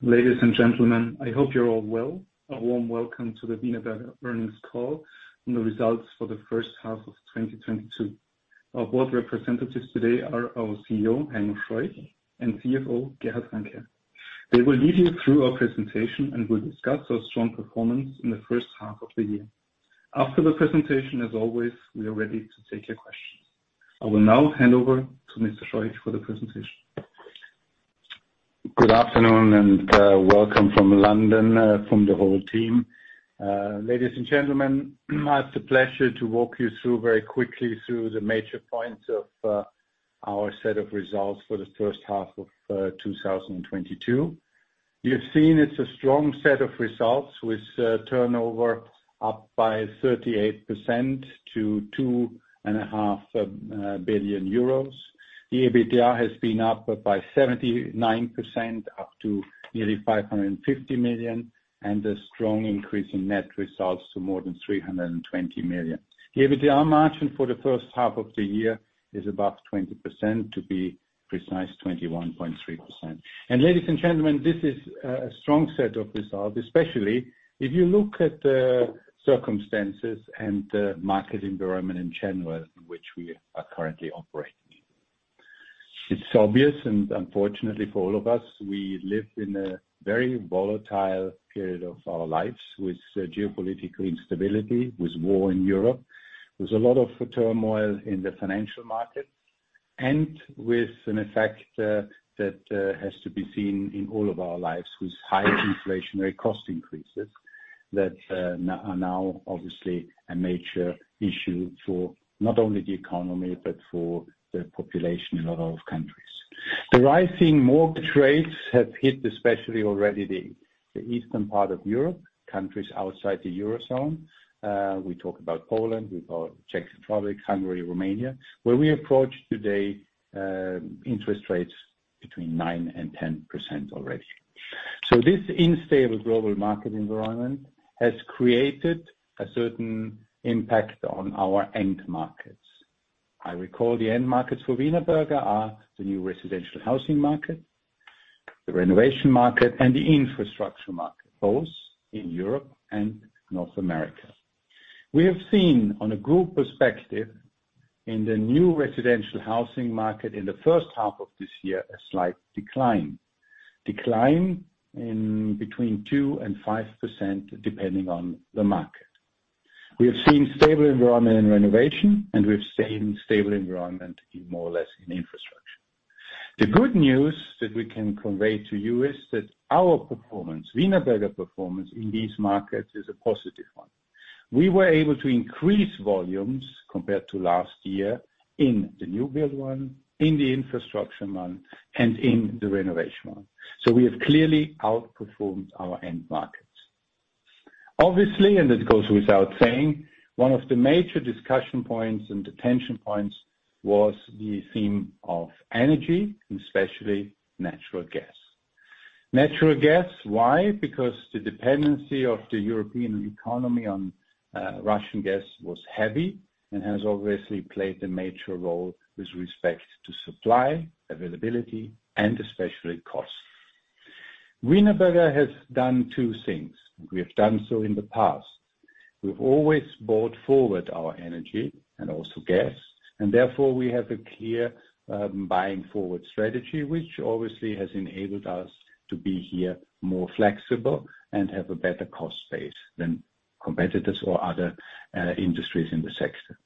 Ladies and gentlemen, I hope you're all well. A warm welcome to the Wienerberger earnings call on the results for the first half of 2022. Our board representatives today are our CEO, Heimo Scheuch, and CFO, Gerhard Hanke. They will lead you through our presentation, and will discuss our strong performance in the first half of the year. After the presentation, as always, we are ready to take your questions. I will now hand over to Mr. Scheuch for the presentation. Good afternoon and welcome from London from the whole team. Ladies and gentlemen, I have the pleasure to walk you through very quickly the major points of our set of results for the first half of 2022. You've seen it's a strong set of results, with turnover up by 38% to 2.5 billion euros. The EBITDA has been up by 79%, up to nearly 550 million, and a strong increase in net results to more than 320 million. The EBITDA margin for the first half of the year is above 20%, to be precise, 21.3%. Ladies and gentlemen, this is a strong set of results, especially if you look at the circumstances and the market environment in general in which we are currently operating. It's obvious, and unfortunately for all of us, we live in a very volatile period of our lives, with geopolitical instability, with war in Europe. There's a lot of turmoil in the financial market, and with an effect that has to be seen in all of our lives, with high inflationary cost increases that are now obviously a major issue for not only the economy, but for the population in a lot of countries. The rising mortgage rates have hit especially already the eastern part of Europe, countries outside the Eurozone. We talk about Poland, Czech Republic, Hungary, Romania, where we approach today interest rates between 9%-10% already. This unstable global market environment has created a certain impact on our end markets. I recall the end markets for Wienerberger are the new residential housing market, the renovation market, and the infrastructure market, both in Europe and North America. We have seen on a group perspective, in the new residential housing market in the first half of this year, a slight decline. Decline in between 2%-5%, depending on the market. We have seen stable environment in renovation, and we've seen stable environment in more or less in infrastructure. The good news that we can convey to you is that our performance, Wienerberger performance in these markets is a positive one. We were able to increase volumes compared to last year in the new build one, in the infrastructure one, and in the renovation one. We have clearly outperformed our end markets. Obviously, and it goes without saying, one of the major discussion points and the tension points was the theme of energy, especially natural gas. Natural gas, why? Because the dependency of the European economy on Russian gas was heavy and has obviously played a major role with respect to supply, availability, and especially cost. Wienerberger has done two things. We have done so in the past. We've always bought forward our energy and also gas, and therefore we have a clear buying forward strategy, which obviously has enabled us to be here more flexible and have a better cost base than competitors or other industries in the sector.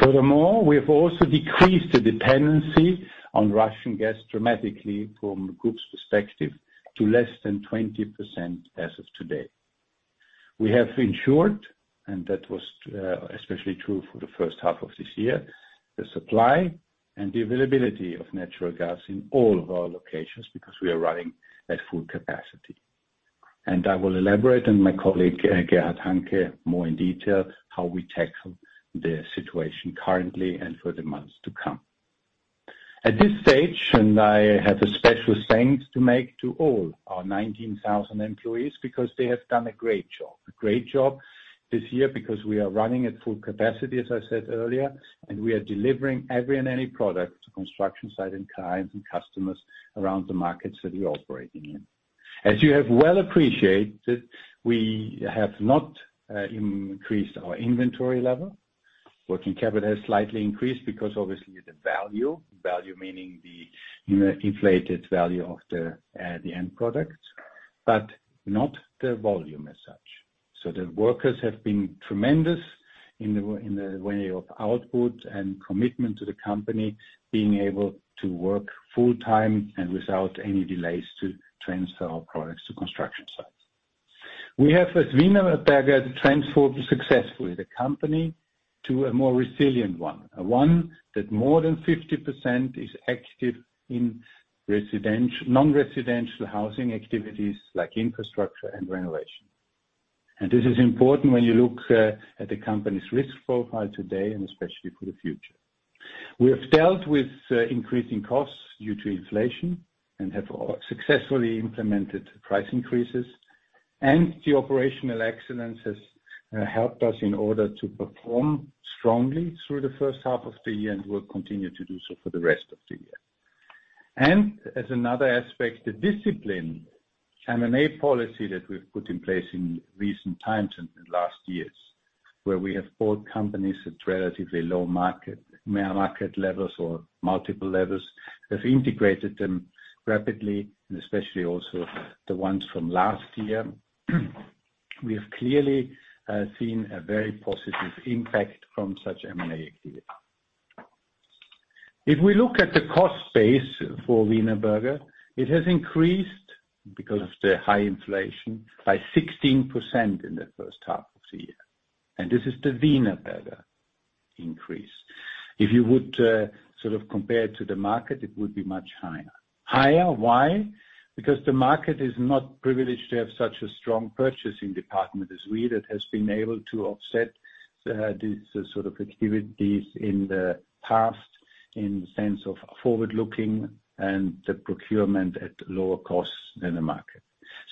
Furthermore, we have also decreased the dependency on Russian gas dramatically from group's perspective to less than 20% as of today. We have ensured, and that was, especially true for the first half of this year, the supply and the availability of natural gas in all of our locations, because we are running at full capacity. I will elaborate, and my colleague, Gerhard Hanke, more in detail how we tackle the situation currently and for the months to come. At this stage, and I have a special thanks to make to all our 19,000 employees, because they have done a great job. A great job this year because we are running at full capacity, as I said earlier, and we are delivering every and any product to construction site and clients and customers around the markets that we're operating in. As you have well appreciated, we have not increased our inventory level. Working capital has slightly increased because obviously the value meaning the inflated value of the end product, but not the volume as such. The workers have been tremendous in the way of output and commitment to the company being able to work full time and without any delays to transfer our products to construction sites. We have, as Wienerberger, transformed successfully the company to a more resilient one. One that more than 50% is active in non-residential housing activities like infrastructure and renovation. This is important when you look at the company's risk profile today and especially for the future. We have dealt with increasing costs due to inflation and have successfully implemented price increases. The operational excellence has helped us in order to perform strongly through the first half of the year, and will continue to do so for the rest of the year. As another aspect, the disciplined M&A policy that we've put in place in recent times and in last years, where we have bought companies at relatively low market levels or multiple levels, have integrated them rapidly, and especially also the ones from last year. We have clearly seen a very positive impact from such M&A activity. If we look at the cost base for Wienerberger, it has increased because of the high inflation by 16% in the first half of the year. This is the Wienerberger increase. If you would sort of compare it to the market, it would be much higher. Higher, why? Because the market is not privileged to have such a strong purchasing department as we, that has been able to offset these sort of activities in the past in the sense of forward-looking and the procurement at lower costs than the market.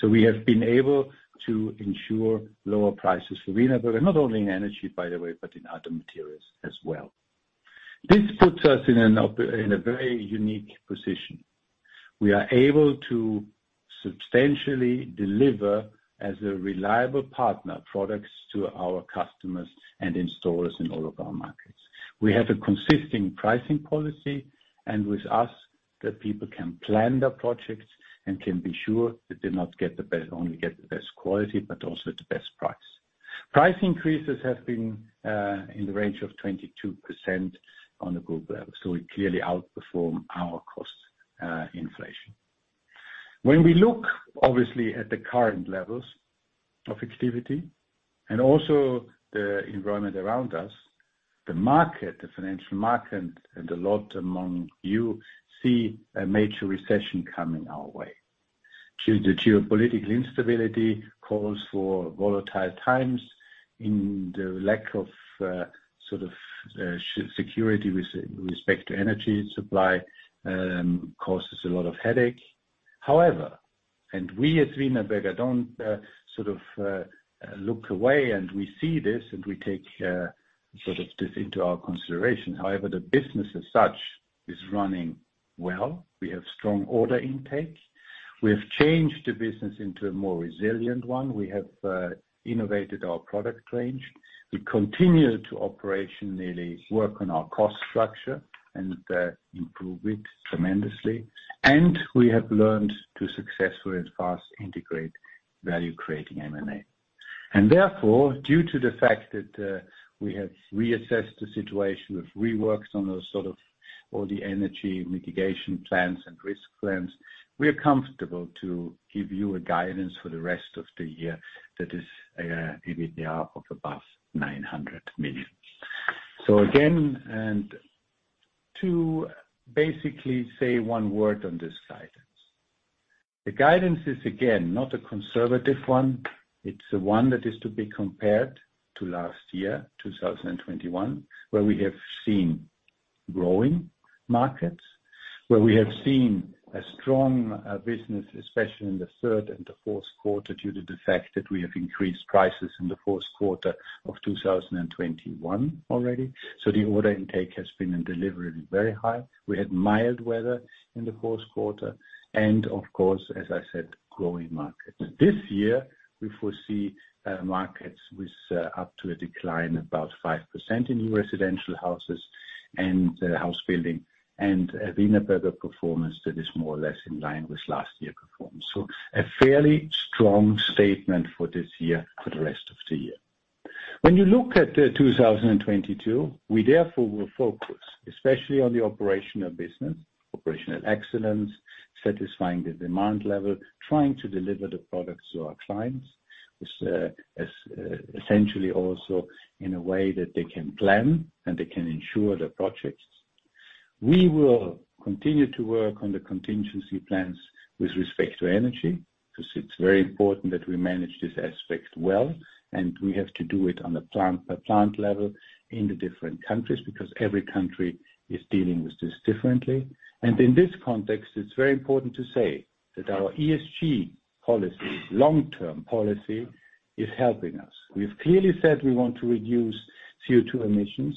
We have been able to ensure lower prices for Wienerberger, not only in energy, by the way, but in other materials as well. This puts us in a very unique position. We are able to substantially deliver, as a reliable partner, products to our customers and installers in all of our markets. We have a consistent pricing policy, and with us, the people can plan their projects and can be sure they not only get the best quality, but also the best price. Price increases have been in the range of 22% on the group level. We clearly outperform our cost inflation. When we look, obviously, at the current levels of activity and also the environment around us, the market, the financial market, and a lot of you see a major recession coming our way. Due to geopolitical instability causing volatile times and the lack of security with respect to energy supply causes a lot of headache. However, we at Wienerberger don't sort of look away, and we see this and we take sort of this into our consideration. However, the business as such is running well. We have strong order intake. We have changed the business into a more resilient one. We have innovated our product range. We continue to operationally work on our cost structure and improve it tremendously. We have learned to successfully and fast integrate value-creating M&A. Therefore, due to the fact that we have reassessed the situation, we've reworked on those sort of all the energy mitigation plans and risk plans, we are comfortable to give you a guidance for the rest of the year that is EBITDA of above 900 million. Again, and to basically say one word on this guidance. The guidance is again, not a conservative one. It's one that is to be compared to last year, 2021, where we have seen growing markets, where we have seen a strong business, especially in the third and the fourth quarter, due to the fact that we have increased prices in the fourth quarter of 2021 already. The order intake has been and delivery very high. We had mild weather in the fourth quarter and of course, as I said, growing markets. This year, we foresee markets with up to a decline about 5% in new residential houses and house building, and a Wienerberger performance that is more or less in line with last year performance. A fairly strong statement for this year for the rest of the year. When you look at 2022, we therefore will focus especially on the operational business, operational excellence, satisfying the demand level, trying to deliver the products to our clients, which essentially also in a way that they can plan and they can ensure the projects. We will continue to work on the contingency plans with respect to energy, 'cause it's very important that we manage this aspect well, and we have to do it on a plant-by-plant level in the different countries, because every country is dealing with this differently. In this context, it's very important to say that our ESG policy, long-term policy, is helping us. We've clearly said we want to reduce CO2 emissions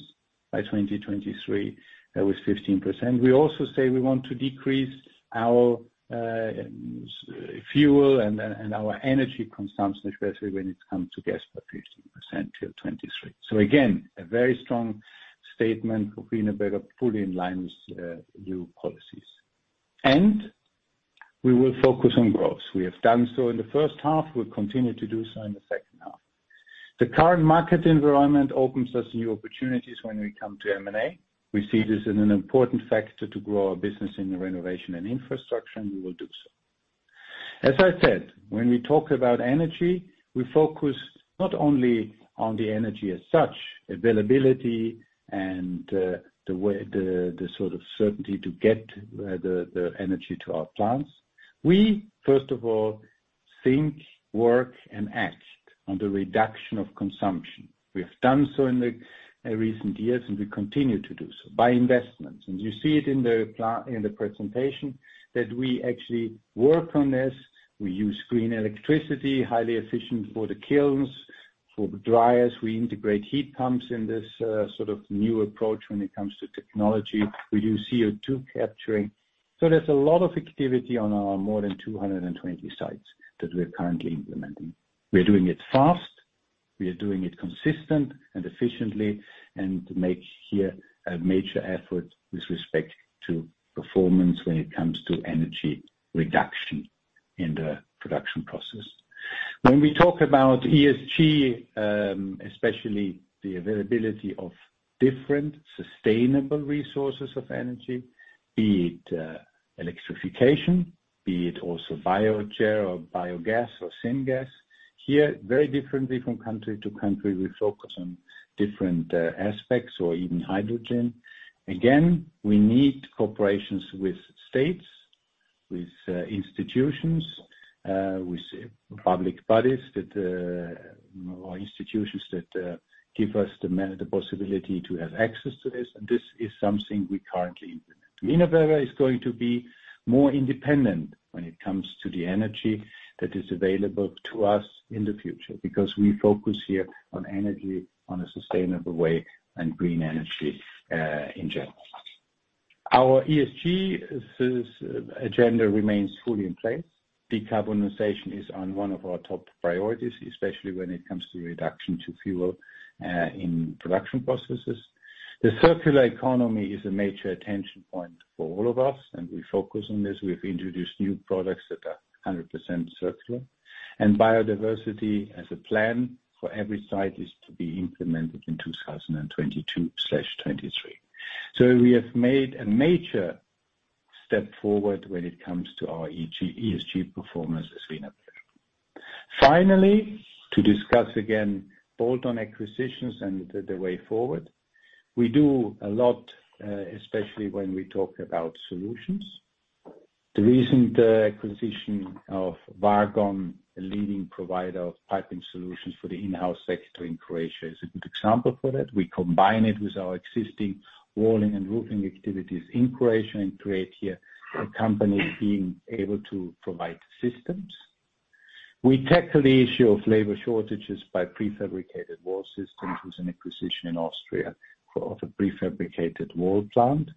by 2023 with 15%. We also say we want to decrease our fuel and our energy consumption, especially when it comes to gas, by 15% till 2023. Again, a very strong statement for Wienerberger, fully in line with new policies. We will focus on growth. We have done so in the first half. We'll continue to do so in the second half. The current market environment opens us new opportunities when we come to M&A. We see this as an important factor to grow our business in the renovation and infrastructure, and we will do so. As I said, when we talk about energy, we focus not only on the energy as such, availability and the way, the sort of certainty to get the energy to our plants. We first of all think, work, and act on the reduction of consumption. We have done so in the recent years, and we continue to do so by investments. You see it in the presentation, that we actually work on this. We use green electricity, highly efficient for the kilns, for the dryers. We integrate heat pumps in this sort of new approach when it comes to technology. We use CO2 capturing. There's a lot of activity on our more than 220 sites that we're currently implementing. We're doing it fast, we are doing it consistent and efficiently, and make here a major effort with respect to performance when it comes to energy reduction in the production process. When we talk about ESG, especially the availability of different sustainable resources of energy, be it electrification, be it also biogas or syngas. Here, very differently from country to country, we focus on different aspects or even hydrogen. Again, we need cooperations with states, with institutions, with public bodies that or institutions that give us the possibility to have access to this. This is something we currently implement. Wienerberger is going to be more independent when it comes to the energy that is available to us in the future, because we focus here on energy on a sustainable way and green energy in general. Our ESG agenda remains fully in place. Decarbonization is one of our top priorities, especially when it comes to reduction of fuel in production processes. The circular economy is a major attention point for all of us, and we focus on this. We've introduced new products that are 100% circular. Biodiversity as a plan for every site is to be implemented in 2022/2023. We have made a major step forward when it comes to our ESG performance as Wienerberger. Finally, to discuss again bolt-on acquisitions and the way forward. We do a lot, especially when we talk about solutions. The recent acquisition of Vargon, a leading provider of piping solutions for the in-house sector in Croatia, is a good example for that. We combine it with our existing walling and roofing activities in Croatia and create here a company being able to provide systems. We tackle the issue of labor shortages by prefabricated wall systems with an acquisition in Austria of a prefabricated wall plant.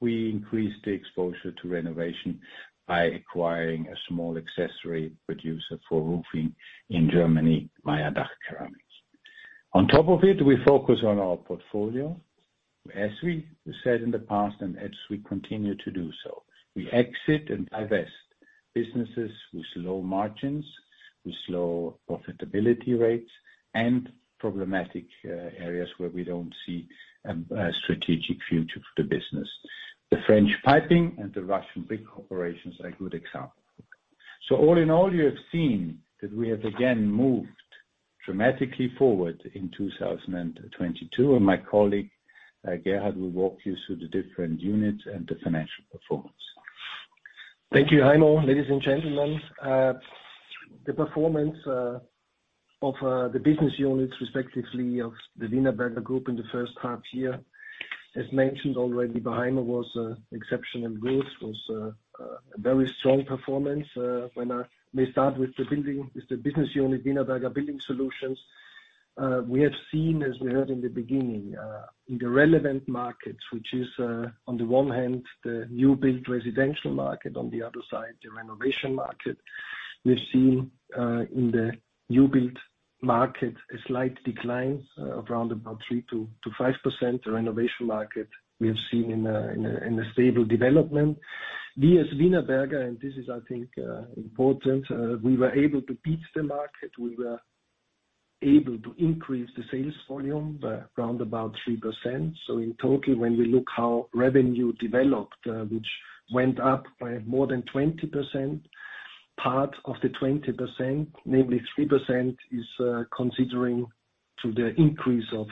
We increase the exposure to renovation by acquiring a small accessory producer for roofing in Germany, Meyer-Holsen. On top of it, we focus on our portfolio. As we said in the past, and as we continue to do so, we exit and divest businesses with low margins, with low profitability rates, and problematic areas where we don't see a strategic future for the business. The French piping and the Russian brick operations are a good example. All in all, you have seen that we have again moved dramatically forward in 2022. My colleague, Gerhard will walk you through the different units and the financial performance. Thank you, Heimo. Ladies and gentlemen, the performance of the business units, respectively of the Wienerberger Group in the first half year. As mentioned already by Heimo, was exceptional growth, a very strong performance. Let me start with the building, with the business unit, Wienerberger Building Solutions. We have seen, as we heard in the beginning, in the relevant markets, which is, on the one hand, the new build residential market, on the other side, the renovation market. We've seen, in the new build market a slight decline around about 3%-5%. The renovation market we have seen in a stable development. We as Wienerberger, and this is I think important, we were able to beat the market. We were able to increase the sales volume by around about 3%. In total, when we look how revenue developed, which went up by more than 20%, part of the 20%, namely 3%, is corresponding to the increase of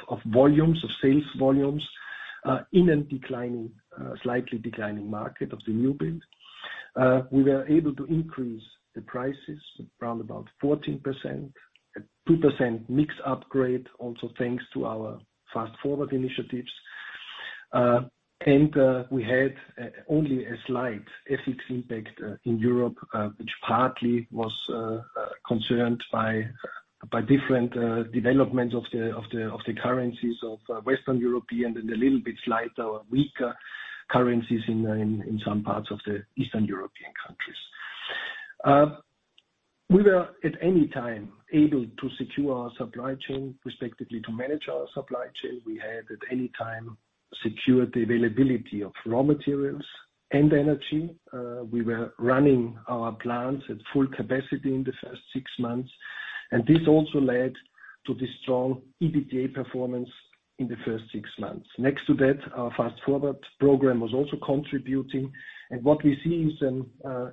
sales volumes in a slightly declining market of the new build. We were able to increase the prices around about 14%. A 2% mix upgrade also thanks to our Fast Forward initiatives. We had only a slight FX impact in Europe, which partly was concerned by different developments of the currencies of Western Europe and slightly weaker currencies in some parts of the Eastern European countries. We were at any time able to secure our supply chain, respectively, to manage our supply chain. We had at any time secured the availability of raw materials and energy. We were running our plants at full capacity in the first six months, and this also led to the strong EBITDA performance in the first six months. Next to that, our Fast Forward program was also contributing. What we see is an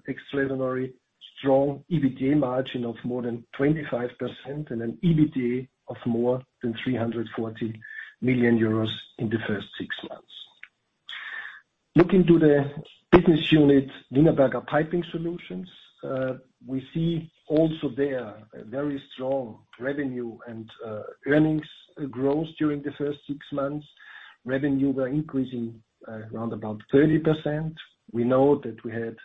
extraordinary strong EBITDA margin of more than 25% and an EBITDA of more than 340 million euros in the first six months. Looking to the business unit, Wienerberger Piping Solutions, we see also there a very strong revenue and earnings growth during the first six months. Revenue were increasing around about 30%. We know that we had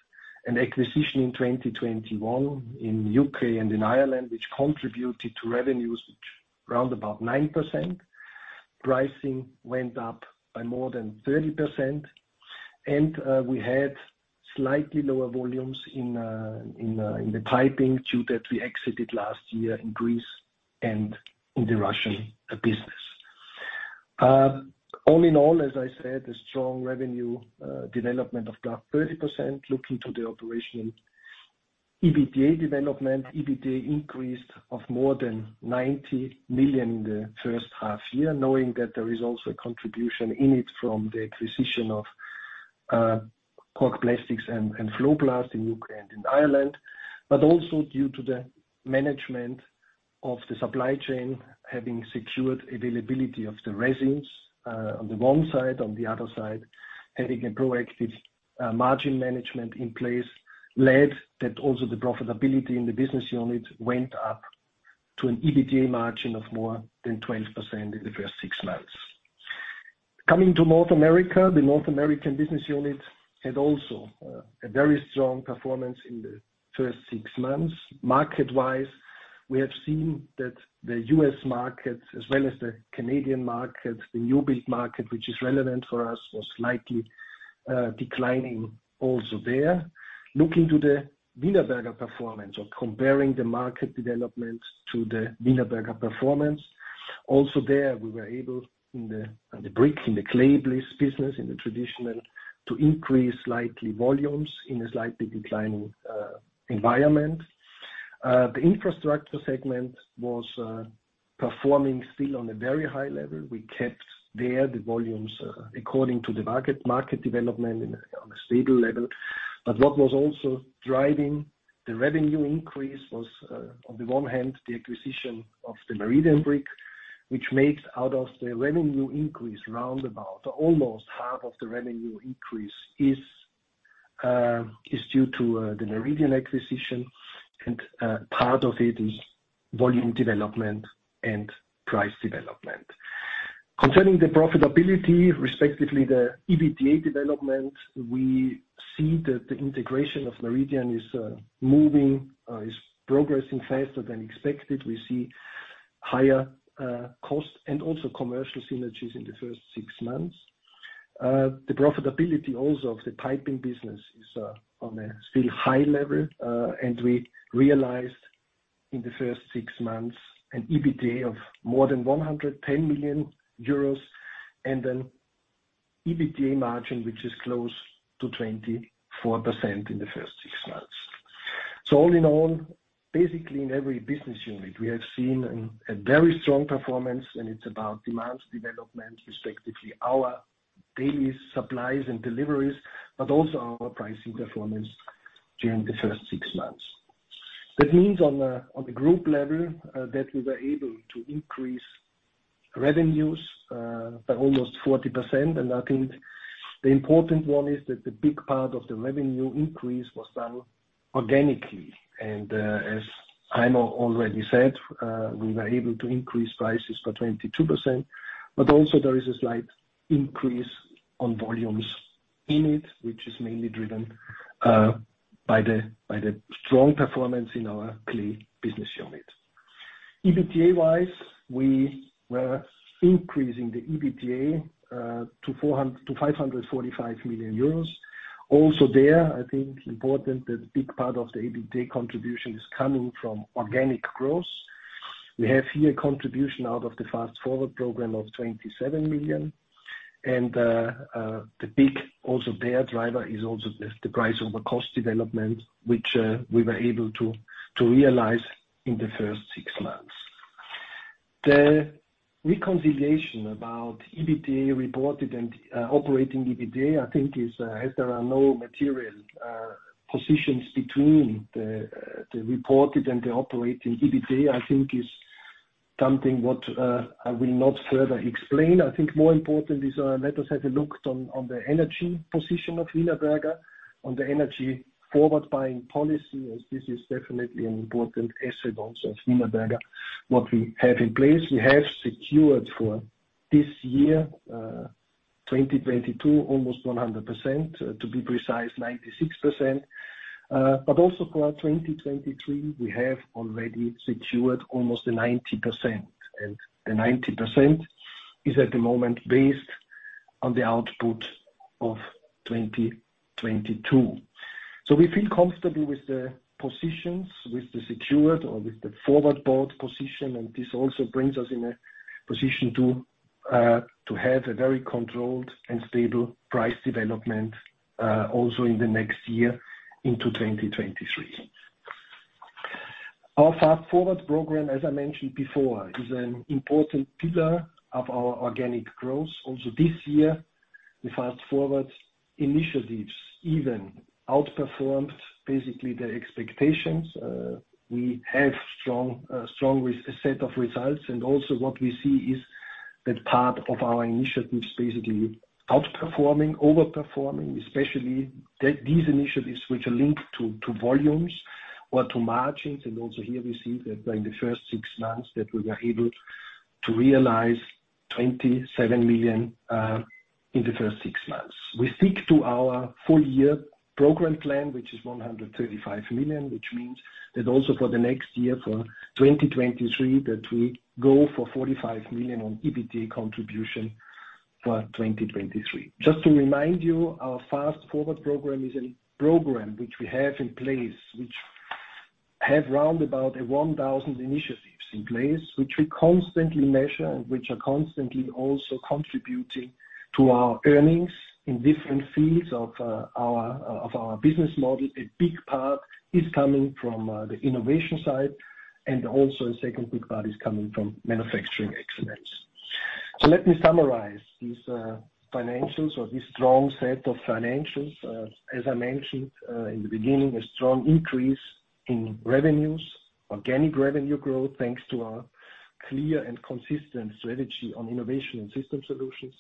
an acquisition in 2021 in U.K. and in Ireland, which contributed to revenues which around about 9%. Pricing went up by more than 30% and we had slightly lower volumes in the piping due to that we exited last year in Greece and in the Russian business. All in all, as I said, a strong revenue development of about 30%. Looking at the operational EBITDA development, EBITDA increased by more than 90 million in the first half year, knowing that there is also a contribution in it from the acquisition of Cork Plastics and FloPlast in U.K. and in Ireland. Also due to the management of the supply chain, having secured availability of the resins on the one side. On the other side, having a proactive, margin management in place led that also the profitability in the business unit went up to an EBITDA margin of more than 12% in the first six months. Coming to North America, the North American business unit had also a very strong performance in the first six months. Market wise, we have seen that the U.S. market as well as the Canadian market, the new build market, which is relevant for us, was slightly declining also there. Looking to the Wienerberger performance or comparing the market development to the Wienerberger performance, also there we were able in the bricks, in the clay business, in the traditional, to increase slightly volumes in a slightly declining environment. The infrastructure segment was performing still on a very high level. We kept there the volumes according to the market development on a stable level. What was also driving the revenue increase was on the one hand, the acquisition of the Meridian Brick, which makes up almost half of the revenue increase is due to the Meridian acquisition, and part of it is volume development and price development. Concerning the profitability, respectively, the EBITDA development, we see that the integration of Meridian is progressing faster than expected. We see higher cost and also commercial synergies in the first six months. The profitability also of the piping business is on a still high level, and we realized in the first six months an EBITDA of more than 110 million euros and an EBITDA margin, which is close to 24% in the first six months. All in all, basically in every business unit, we have seen a very strong performance, and it's about demand development, respectively, our daily supplies and deliveries, but also our pricing performance during the first six months. That means on the group level, that we were able to increase revenues by almost 40%. I think the important one is that the big part of the revenue increase was done organically. As Heimo already said, we were able to increase prices by 22%, but also there is a slight increase on volumes in it, which is mainly driven by the strong performance in our clay business unit. EBITDA-wise, we were increasing the EBITDA to 545 million euros. Also there, I think important that a big part of the EBITDA contribution is coming from organic growth. We have here contribution out of the Fast Forward program of 27 million. The big also there driver is also the price over cost development, which we were able to realize in the first six months. The reconciliation about reported EBITDA and operating EBITDA, I think is, as there are no material positions between the reported and the operating EBITDA, I think is something what I will not further explain. I think more important is, let us have a look on the energy position of Wienerberger, on the energy forward buying policy, as this is definitely an important asset also of Wienerberger. What we have in place, we have secured for this year, 2022, almost 100%, to be precise, 96%. But also for our 2023, we have already secured almost 90%. 90% is at the moment based on the output of 2022. We feel comfortable with the positions, with the secured or with the forward bought position, and this also brings us in a position to have a very controlled and stable price development, also in the next year into 2023. Our Fast Forward program, as I mentioned before, is an important pillar of our organic growth. Also this year, the Fast Forward initiatives even outperformed basically the expectations. We have strong set of results. Also what we see is that part of our initiatives basically outperforming, especially these initiatives which are linked to volumes or to margins. Also here we see that in the first six months, that we were able to realize 27 million in the first six months. We stick to our full year program plan, which is 135 million, which means that also for the next year, for 2023, that we go for 45 million on EBITDA contribution for 2023. Just to remind you, our Fast Forward program is a program which we have in place, which have round about a 1,000 initiatives in place, which we constantly measure and which are constantly also contributing to our earnings in different fields of our business model. A big part is coming from the innovation side, and also a second big part is coming from manufacturing excellence. Let me summarize these financials or this strong set of financials. As I mentioned in the beginning, a strong increase in revenues, organic revenue growth, thanks to our clear and consistent strategy on innovation and system solutions.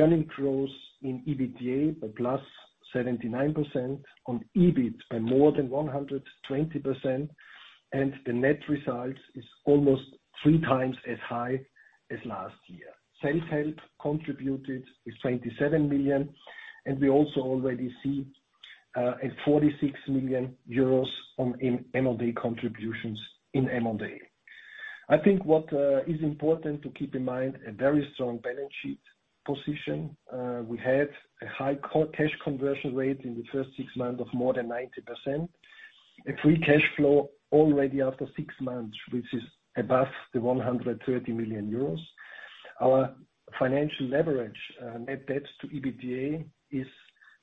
Earnings growth in EBITDA by +79%, on EBIT by more than 120%, and the net result is almost 3x as high as last year. Self-help contributed with 27 million, and we also already see a 46 million euros in M&A contributions. I think what is important to keep in mind, a very strong balance sheet position. We had a high cash conversion rate in the first six months of more than 90%. A free cash flow already after six months, which is above 130 million euros. Our financial leverage, Net Debt to EBITDA, is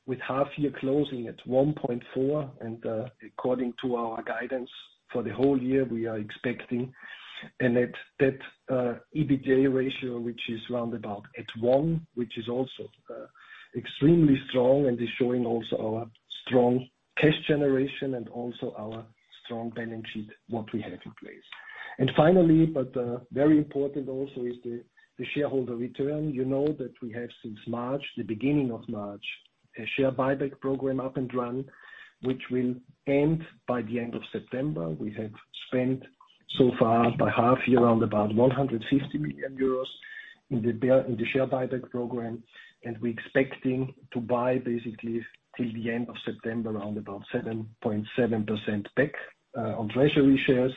with half year closing at 1.4x, and according to our guidance for the whole year, we are expecting. At that EBITDA ratio, which is around about at 1x, which is also extremely strong and is showing also our strong cash generation and also our strong balance sheet, what we have in place. Finally, but very important also is the shareholder return. You know that we have since March, the beginning of March, a Share Buyback Program up and running, which will end by the end of September. We have spent so far by half year around about 150 million euros in the Share Buyback Program, and we're expecting to buy basically 'til the end of September, around about 7.7% back on treasury shares.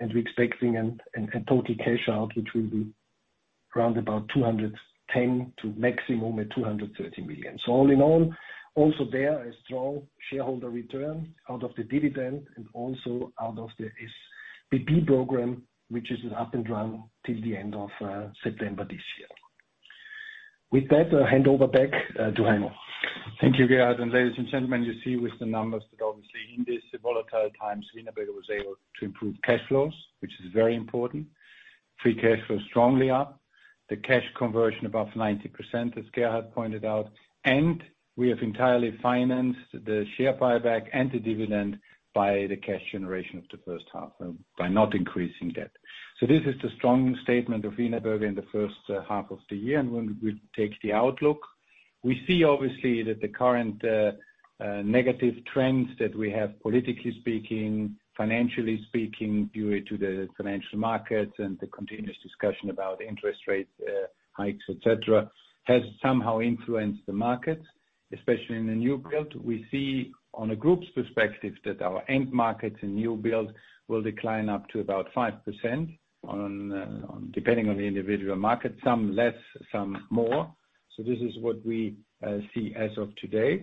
We're expecting a total cash out, which will be around about 210 million to a maximum of 230 million. All in all, also there, a strong shareholder return out of the dividend and also out of the SB Program, which is up and running till the end of September this year. With that, I'll hand over back to Heimo. Thank you, Gerhard. Ladies and gentlemen, you see with the numbers that obviously in this volatile times, Wienerberger was able to improve cash flows, which is very important. Free cash flow is strongly up. The cash conversion above 90%, as Gerhard pointed out. We have entirely financed the share buyback and the dividend by the cash generation of the first half by not increasing debt. This is the strong statement of Wienerberger in the first half of the year. When we take the outlook, we see obviously that the current negative trends that we have politically speaking, financially speaking, due to the financial markets and the continuous discussion about interest rate hikes, etc., has somehow influenced the market. Especially in the new build, we see on a group's perspective that our end markets in new build will decline up to about 5% on, depending on the individual market, some less, some more. This is what we see as of today.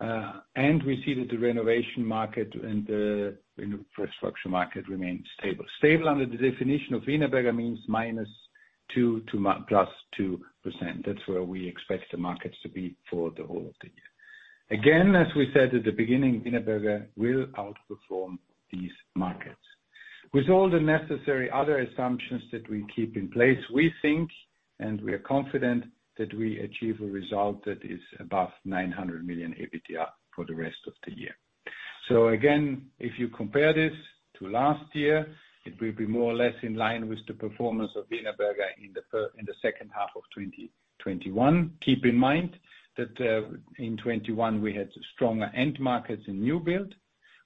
We see that the renovation market and the infrastructure market remains stable. Stable under the definition of Wienerberger means -2% to +2%. That's where we expect the markets to be for the whole of the year. Again, as we said at the beginning, Wienerberger will outperform these markets. With all the necessary other assumptions that we keep in place, we think, and we are confident that we achieve a result that is above 900 million EBITDA for the rest of the year. Again, if you compare this to last year, it will be more or less in line with the performance of Wienerberger in the second half of 2021. Keep in mind that in 2021 we had stronger end markets in new build.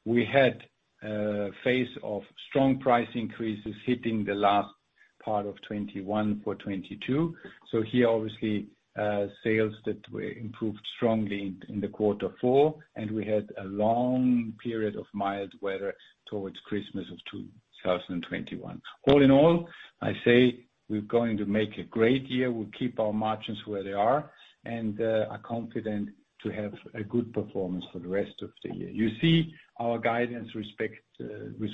We had a phase of strong price increases hitting the last part of 2021 for 2022. Here, obviously, sales that were improved strongly in quarter four, and we had a long period of mild weather towards Christmas of 2021. All in all, I say we're going to make a great year. We'll keep our margins where they are and are confident to have a good performance for the rest of the year. You see our guidance with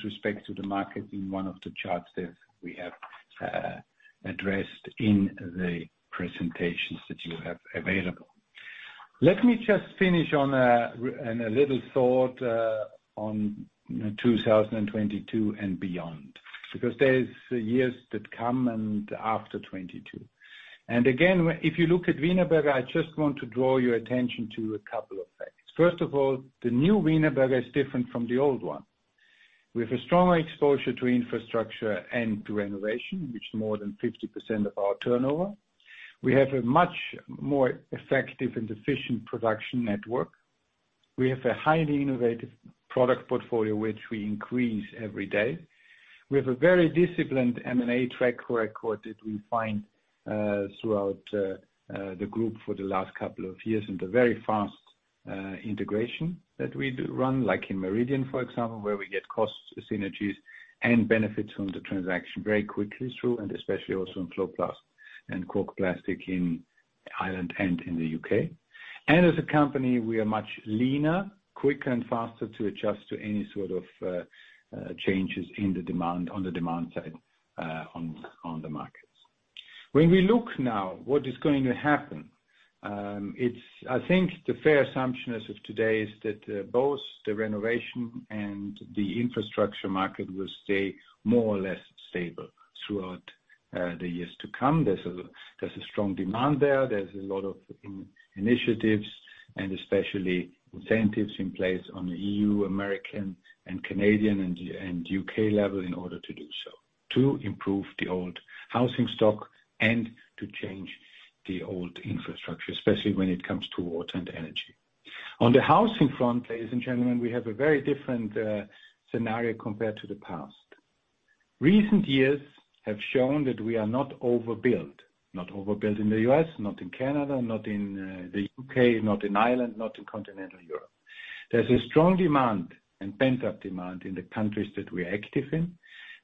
respect to the market in one of the charts that we have addressed in the presentations that you have available. Let me just finish on a little thought on 2022 and beyond. Because there's years that come and after 2022. If you look at Wienerberger, I just want to draw your attention to a couple of things. First of all, the new Wienerberger is different from the old one. We have a stronger exposure to infrastructure and to renovation, which is more than 50% of our turnover. We have a much more effective and efficient production network. We have a highly innovative product portfolio, which we increase every day. We have a very disciplined M&A track record that we find throughout the group for the last couple of years, and a very fast integration that we run, like in Meridian, for example, where we get cost synergies and benefits from the transaction very quickly through, and especially also in FloPlast and Cork Plastics in Ireland and in the UK. As a company, we are much leaner, quicker, and faster to adjust to any sort of changes in the demand on the demand side, on the markets. When we look now what is going to happen, it's I think the fair assumption as of today is that both the renovation and the infrastructure market will stay more or less stable throughout the years to come. There's a strong demand there. There's a lot of initiatives, and especially incentives in place on the EU, American, and Canadian, and U.S. and U.K. level in order to do so, to improve the old housing stock and to change the old infrastructure, especially when it comes to water and energy. On the housing front, ladies and gentlemen, we have a very different scenario compared to the past. Recent years have shown that we are not overbuilt. Not overbuilt in the U.S., not in Canada, not in the U.K., not in Ireland, not in Continental Europe. There's a strong demand and pent-up demand in the countries that we are active in.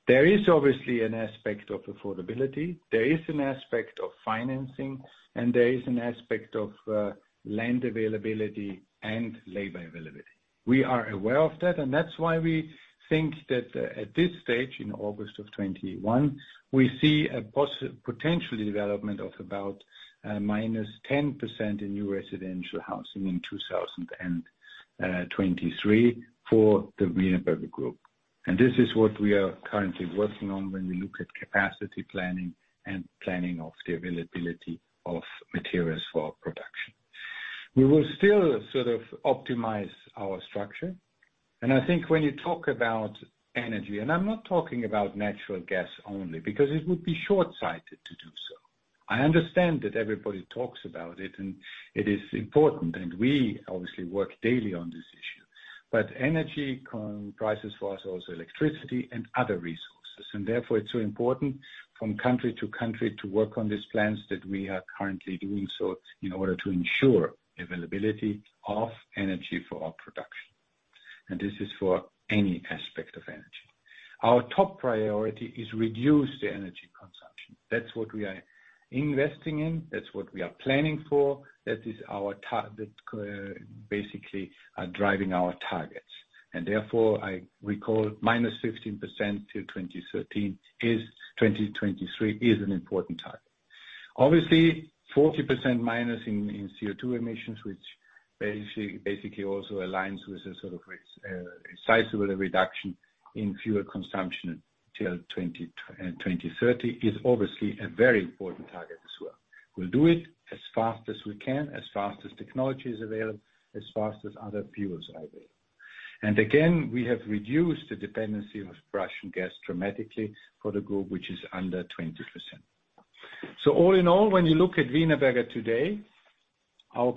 There is obviously an aspect of affordability, there is an aspect of financing, and there is an aspect of land availability and labor availability. We are aware of that, and that's why we think that at this stage in August of 2021, we see a potential development of about -10% in new residential housing in 2023 for the Wienerberger Group. This is what we are currently working on when we look at capacity planning and planning of the availability of materials for our production. We will still sort of optimize our structure, and I think when you talk about energy, and I'm not talking about natural gas only, because it would be shortsighted to do so. I understand that everybody talks about it, and it is important, and we obviously work daily on this issue. Energy comprises for us also electricity and other resources, and therefore it's so important from country to country to work on these plans that we are currently doing so in order to ensure availability of energy for our production. This is for any aspect of energy. Our top priority is reduce the energy consumption. That's what we are investing in, that's what we are planning for, that basically are driving our targets. Therefore, I recall -15% till 2023 is an important target. Obviously, -40% in CO2 emissions, which basically also aligns with a sort of sizable reduction in fuel consumption till 2030, is obviously a very important target as well. We'll do it as fast as we can, as fast as technology is available, as fast as other fuels are available. Again, we have reduced the dependency of Russian gas dramatically for the group, which is under 20%. All in all, when you look at Wienerberger today, our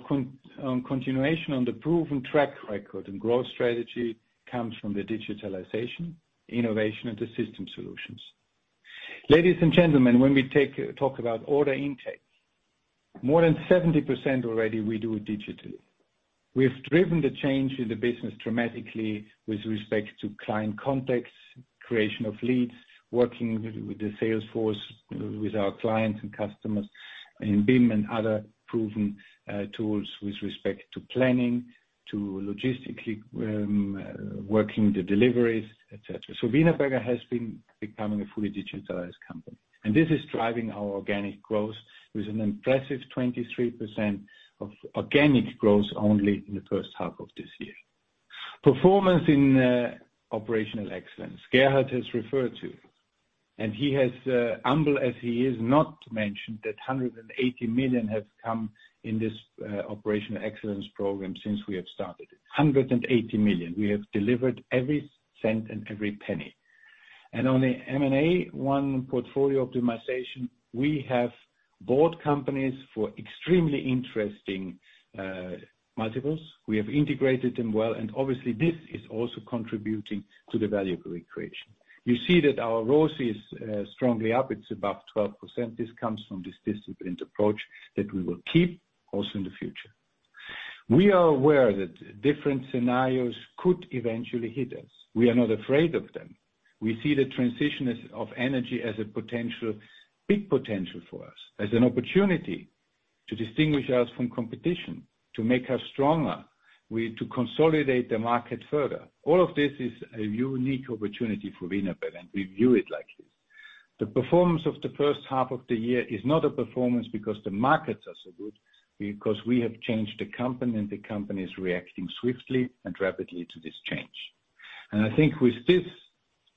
continuation on the proven track record and growth strategy comes from the digitalization, innovation, and the system solutions. Ladies and gentlemen, when we talk about order intake, more than 70% already we do digitally. We have driven the change in the business dramatically with respect to client contacts, creation of leads, working with the sales force, with our clients and customers in BIM and other proven tools with respect to planning, to logistically working the deliveries, etc. Wienerberger has been becoming a fully digitalized company, and this is driving our organic growth with an impressive 23% organic growth only in the first half of this year. Performance in operational excellence, Gerhard has referred to. He has, humble as he is, not mentioned that 180 million have come in this operational excellence program since we have started it. 180 million. We have delivered every cent and every penny. On the M&A one portfolio optimization, we have bought companies for extremely interesting multiples. We have integrated them well, and obviously this is also contributing to the value creation. You see that our ROCE is strongly up. It's above 12%. This comes from this disciplined approach that we will keep also in the future. We are aware that different scenarios could eventually hit us. We are not afraid of them. We see the transition of energy as a potential, big potential for us, as an opportunity to distinguish us from competition, to make us stronger, to consolidate the market further. All of this is a unique opportunity for Wienerberger, and we view it like this. The performance of the first half of the year is not a performance because the markets are so good, because we have changed the company and the company is reacting swiftly and rapidly to this change. I think with this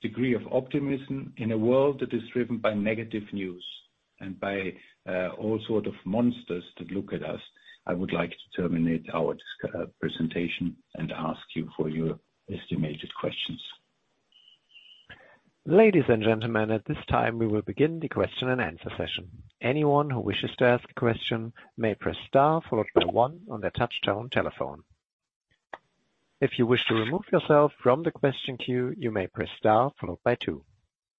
degree of optimism in a world that is driven by negative news and by all sorts of monsters that look at us, I would like to terminate our presentation and ask you for your questions. Ladies and gentlemen, at this time, we will begin the question and answer session. Anyone who wishes to ask a question may press star followed by one on their touchtone telephone. If you wish to remove yourself from the question queue, you may press star followed by two.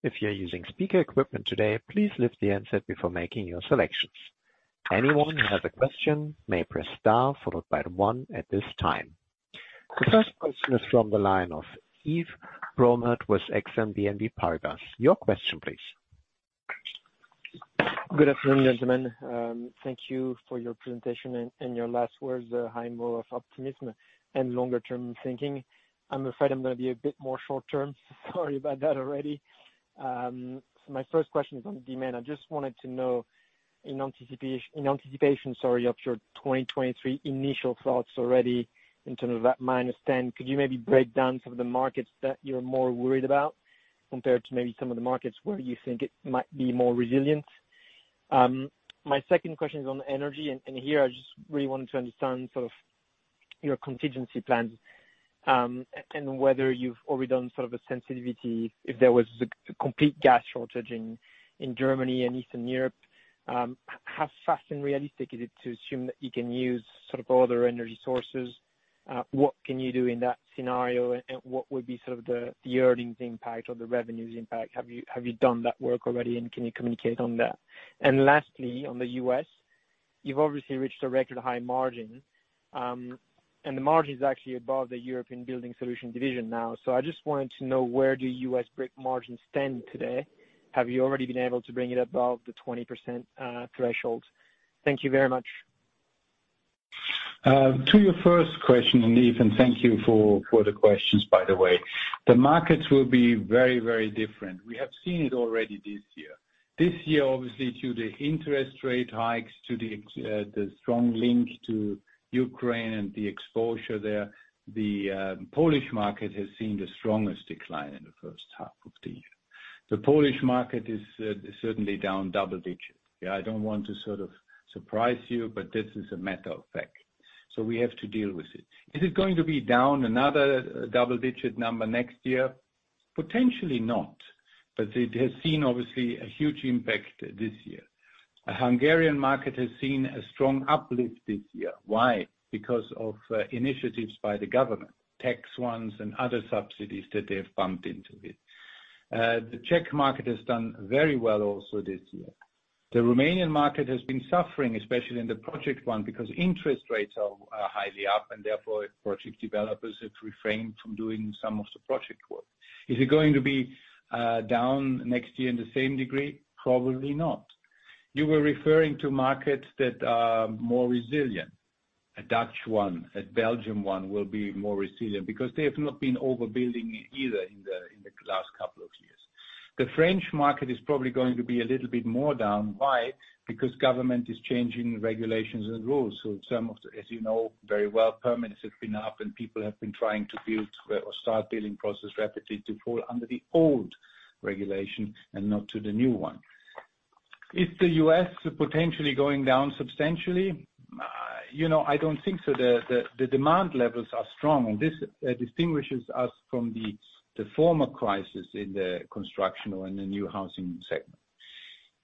If you're using speaker equipment today, please lift the handset before making your selections. Anyone who has a question may press star followed by one at this time. The first question is from the line of Yves Rombart with BNP Paribas Exane. Your question, please. Good afternoon, gentlemen. Thank you for your presentation and your last words, the high morale of optimism and longer term thinking. I'm afraid I'm gonna be a bit more short term. Sorry about that already. My first question is on demand. I just wanted to know in anticipation, sorry, of your 2023 initial thoughts already in terms of that -10%, could you maybe break down some of the markets that you're more worried about compared to maybe some of the markets where you think it might be more resilient? My second question is on energy, and here, I just really wanted to understand sort of your contingency plans, and whether you've already done sort of a sensitivity if there was a complete gas shortage in Germany and Eastern Europe. How fast and realistic is it to assume that you can use sort of other energy sources? What can you do in that scenario, and what would be sort of the earnings impact or the revenues impact? Have you done that work already, and can you communicate on that? Lastly, on the U.S., you've obviously reached a record high margin, and the margin is actually above the European Building Solutions division now. I just wanted to know, where do U.S. brick margins stand today? Have you already been able to bring it above the 20% threshold? Thank you very much. To your first question, Yves, and thank you for the questions, by the way. The markets will be very, very different. We have seen it already this year. This year, obviously, due to interest rate hikes, to the strong link to Ukraine and the exposure there, the Polish market has seen the strongest decline in the first half of the year. The Polish market is certainly down double digits. Yeah, I don't want to sort of surprise you, but this is a matter of fact, so we have to deal with it. Is it going to be down another double digit number next year? Potentially not, but it has seen obviously a huge impact this year. The Hungarian market has seen a strong uplift this year. Why? Because of initiatives by the government. Tax ones and other subsidies that they have bumped into it. The Czech market has done very well also this year. The Romanian market has been suffering, especially in the project one, because interest rates are highly up and therefore project developers have refrained from doing some of the project work. Is it going to be down next year in the same degree? Probably not. You were referring to markets that are more resilient. A Dutch one, a Belgian one will be more resilient because they have not been overbuilding either in the last couple of years. The French market is probably going to be a little bit more down. Why? Because government is changing regulations and rules. Some of the, as you know very well, permits have been up, and people have been trying to build or start building process rapidly to fall under the old regulation and not to the new one. Is the U.S. potentially going down substantially? You know, I don't think so. The demand levels are strong, and this distinguishes us from the former crisis in the construction or in the new housing segment.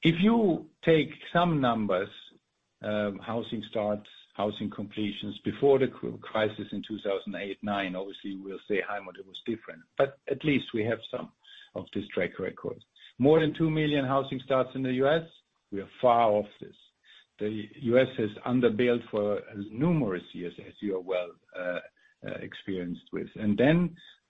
If you take some numbers, housing starts, housing completions before the crisis in 2008-2009, obviously we'll say Heim, but it was different. At least we have some of this track record. More than 2 million housing starts in the U.S., we are far off this. The U.S. has under-built for numerous years, as you are well experienced with.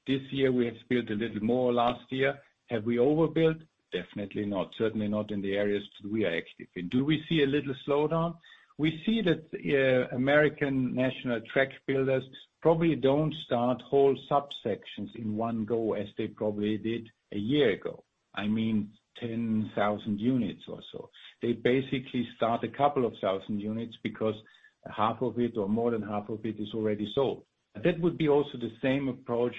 This year we have built a little more last year. Have we overbuilt? Definitely not. Certainly not in the areas we are active in. Do we see a little slowdown? We see that, American national tract builders probably don't start whole subsections in one go as they probably did a year ago. I mean, 10,000 units or so. They basically start a couple of thousand units because half of it or more than half of it is already sold. That would be also the same approach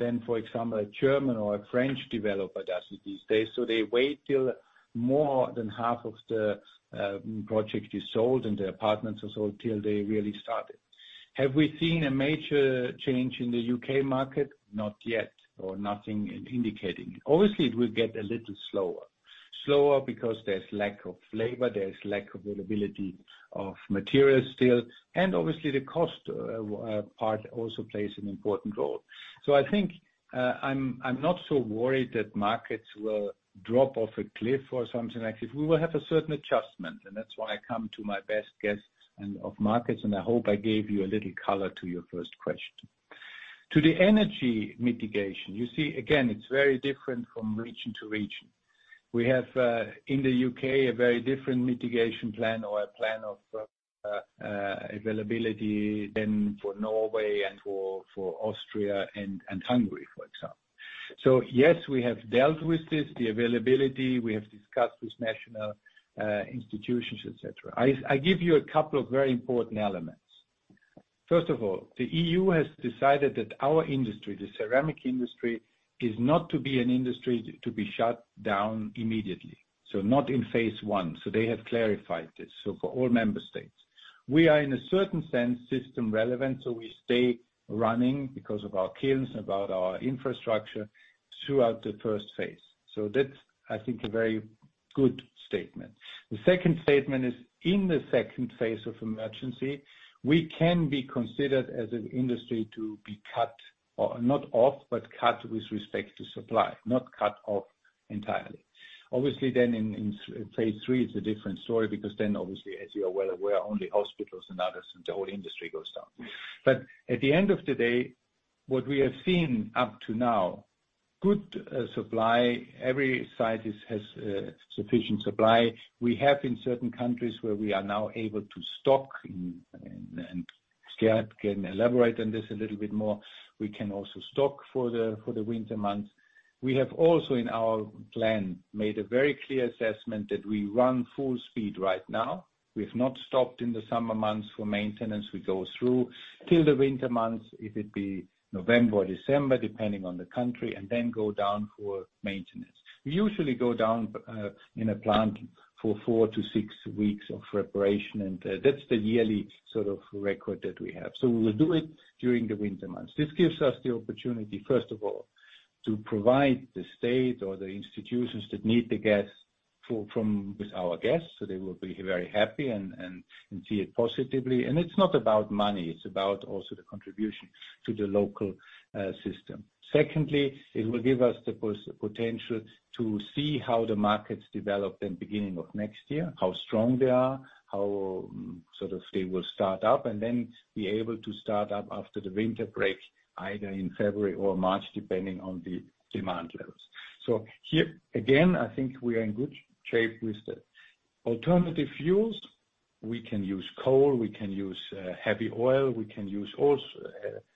than, for example, a German or a French developer does these days. They wait till more than half of the project is sold and the apartments are sold till they really start it. Have we seen a major change in the U.K. market? Not yet, nothing indicating. Obviously, it will get a little slower. Slower because there's lack of labor, there's lack of availability of materials still, and obviously the cost part also plays an important role. I think I'm not so worried that markets will drop off a cliff or something like this. We will have a certain adjustment, and that's why I come to my best guess and of markets, and I hope I gave you a little color to your first question. To the energy mitigation, you see again, it's very different from region to region. We have in the U.K. a very different mitigation plan or a plan of availability than for Norway and for Austria and Hungary, for example. Yes, we have dealt with this, the availability. We have discussed with national institutions, etc. I give you a couple of very important elements. First of all, the EU has decided that our industry, the ceramic industry, is not to be an industry to be shut down immediately, so not in phase one. They have clarified this, so for all member states. We are in a certain sense, system relevant, so we stay running because of our kilns, about our infrastructure throughout the first phase. That's, I think, a very good statement. The second statement is in the second phase of emergency, we can be considered as an industry to be cut, not off, but cut with respect to supply, not cut off entirely. Obviously, then in phase three, it's a different story because then obviously, as you are well aware, only hospitals and others, and the whole industry goes down. At the end of the day, what we have seen up to now, good supply. Every site has sufficient supply. We have in certain countries where we are now able to stock, and Ger can elaborate on this a little bit more. We can also stock for the winter months. We have also in our plan, made a very clear assessment that we run full speed right now. We have not stopped in the summer months for maintenance. We go through till the winter months, if it be November or December, depending on the country, and then go down for maintenance. We usually go down in a plant for four to six weeks of preparation, and that's the yearly sort of record that we have. We will do it during the winter months. This gives us the opportunity, first of all, to provide the state or the institutions that need the gas for, from, with our gas, so they will be very happy and see it positively. It's not about money, it's about also the contribution to the local system. Secondly, it will give us the potential to see how the markets develop in beginning of next year, how strong they are, how sort of they will start up, and then be able to start up after the winter break, either in February or March, depending on the demand levels. Here again, I think we are in good shape with the alternative fuels. We can use coal, we can use heavy oil, we can use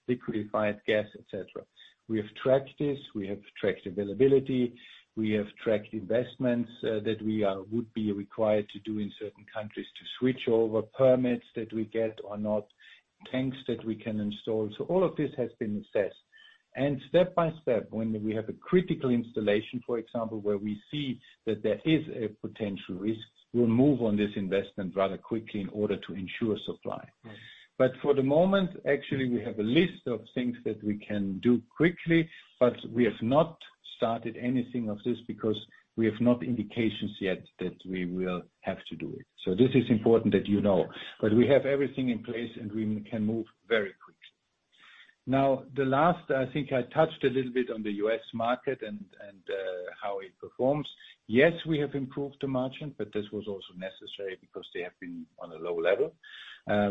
liquefied gas, et cetera. We have tracked this. We have tracked availability. We have tracked investments that would be required to do in certain countries to switch over permits that we get or not, tanks that we can install. All of this has been assessed. Step by step, when we have a critical installation, for example, where we see that there is a potential risk, we'll move on this investment rather quickly in order to ensure supply. For the moment, actually we have a list of things that we can do quickly, but we have not started anything of this because we have no indications yet that we will have to do it. This is important that you know, but we have everything in place, and we can move very quickly. Now, the last, I think I touched a little bit on the U.S. market and how it performs. Yes, we have improved the margin, but this was also necessary because they have been on a low level.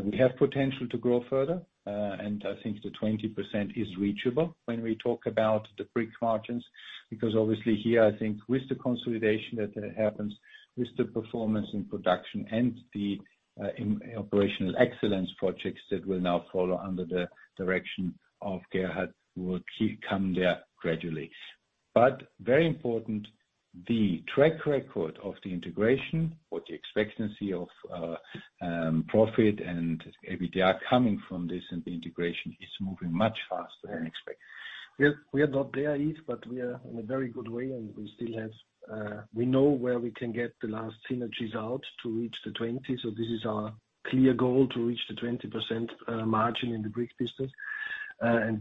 We have potential to grow further, and I think the 20% is reachable when we talk about the brick margins, because obviously here, I think with the consolidation that happens, with the performance and production and the in operational excellence projects that will now follow under the direction of Gerhard will come there gradually. Very important, the track record of the integration or the expectancy of profit and EBITDA coming from this and the integration is moving much faster than expected. We are not there yet, but we are in a very good way, and we still have we know where we can get the last synergies out to reach the 20%. This is our clear goal, to reach the 20% margin in the brick business.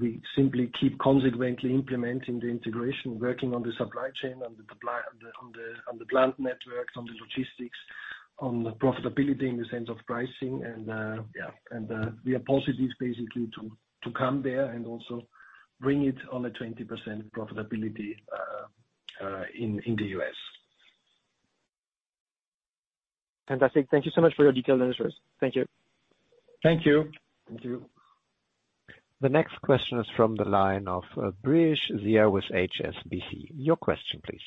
We simply keep consequently implementing the integration, working on the supply chain, on the plant networks, on the logistics, on the profitability in the sense of pricing. We are positive basically to come there and also bring it on a 20% profitability in the U.S. Fantastic. Thank you so much for your detailed answers. Thank you. Thank you. Thank you. The next question is from the line of Brijesh Siya with HSBC. Your question please.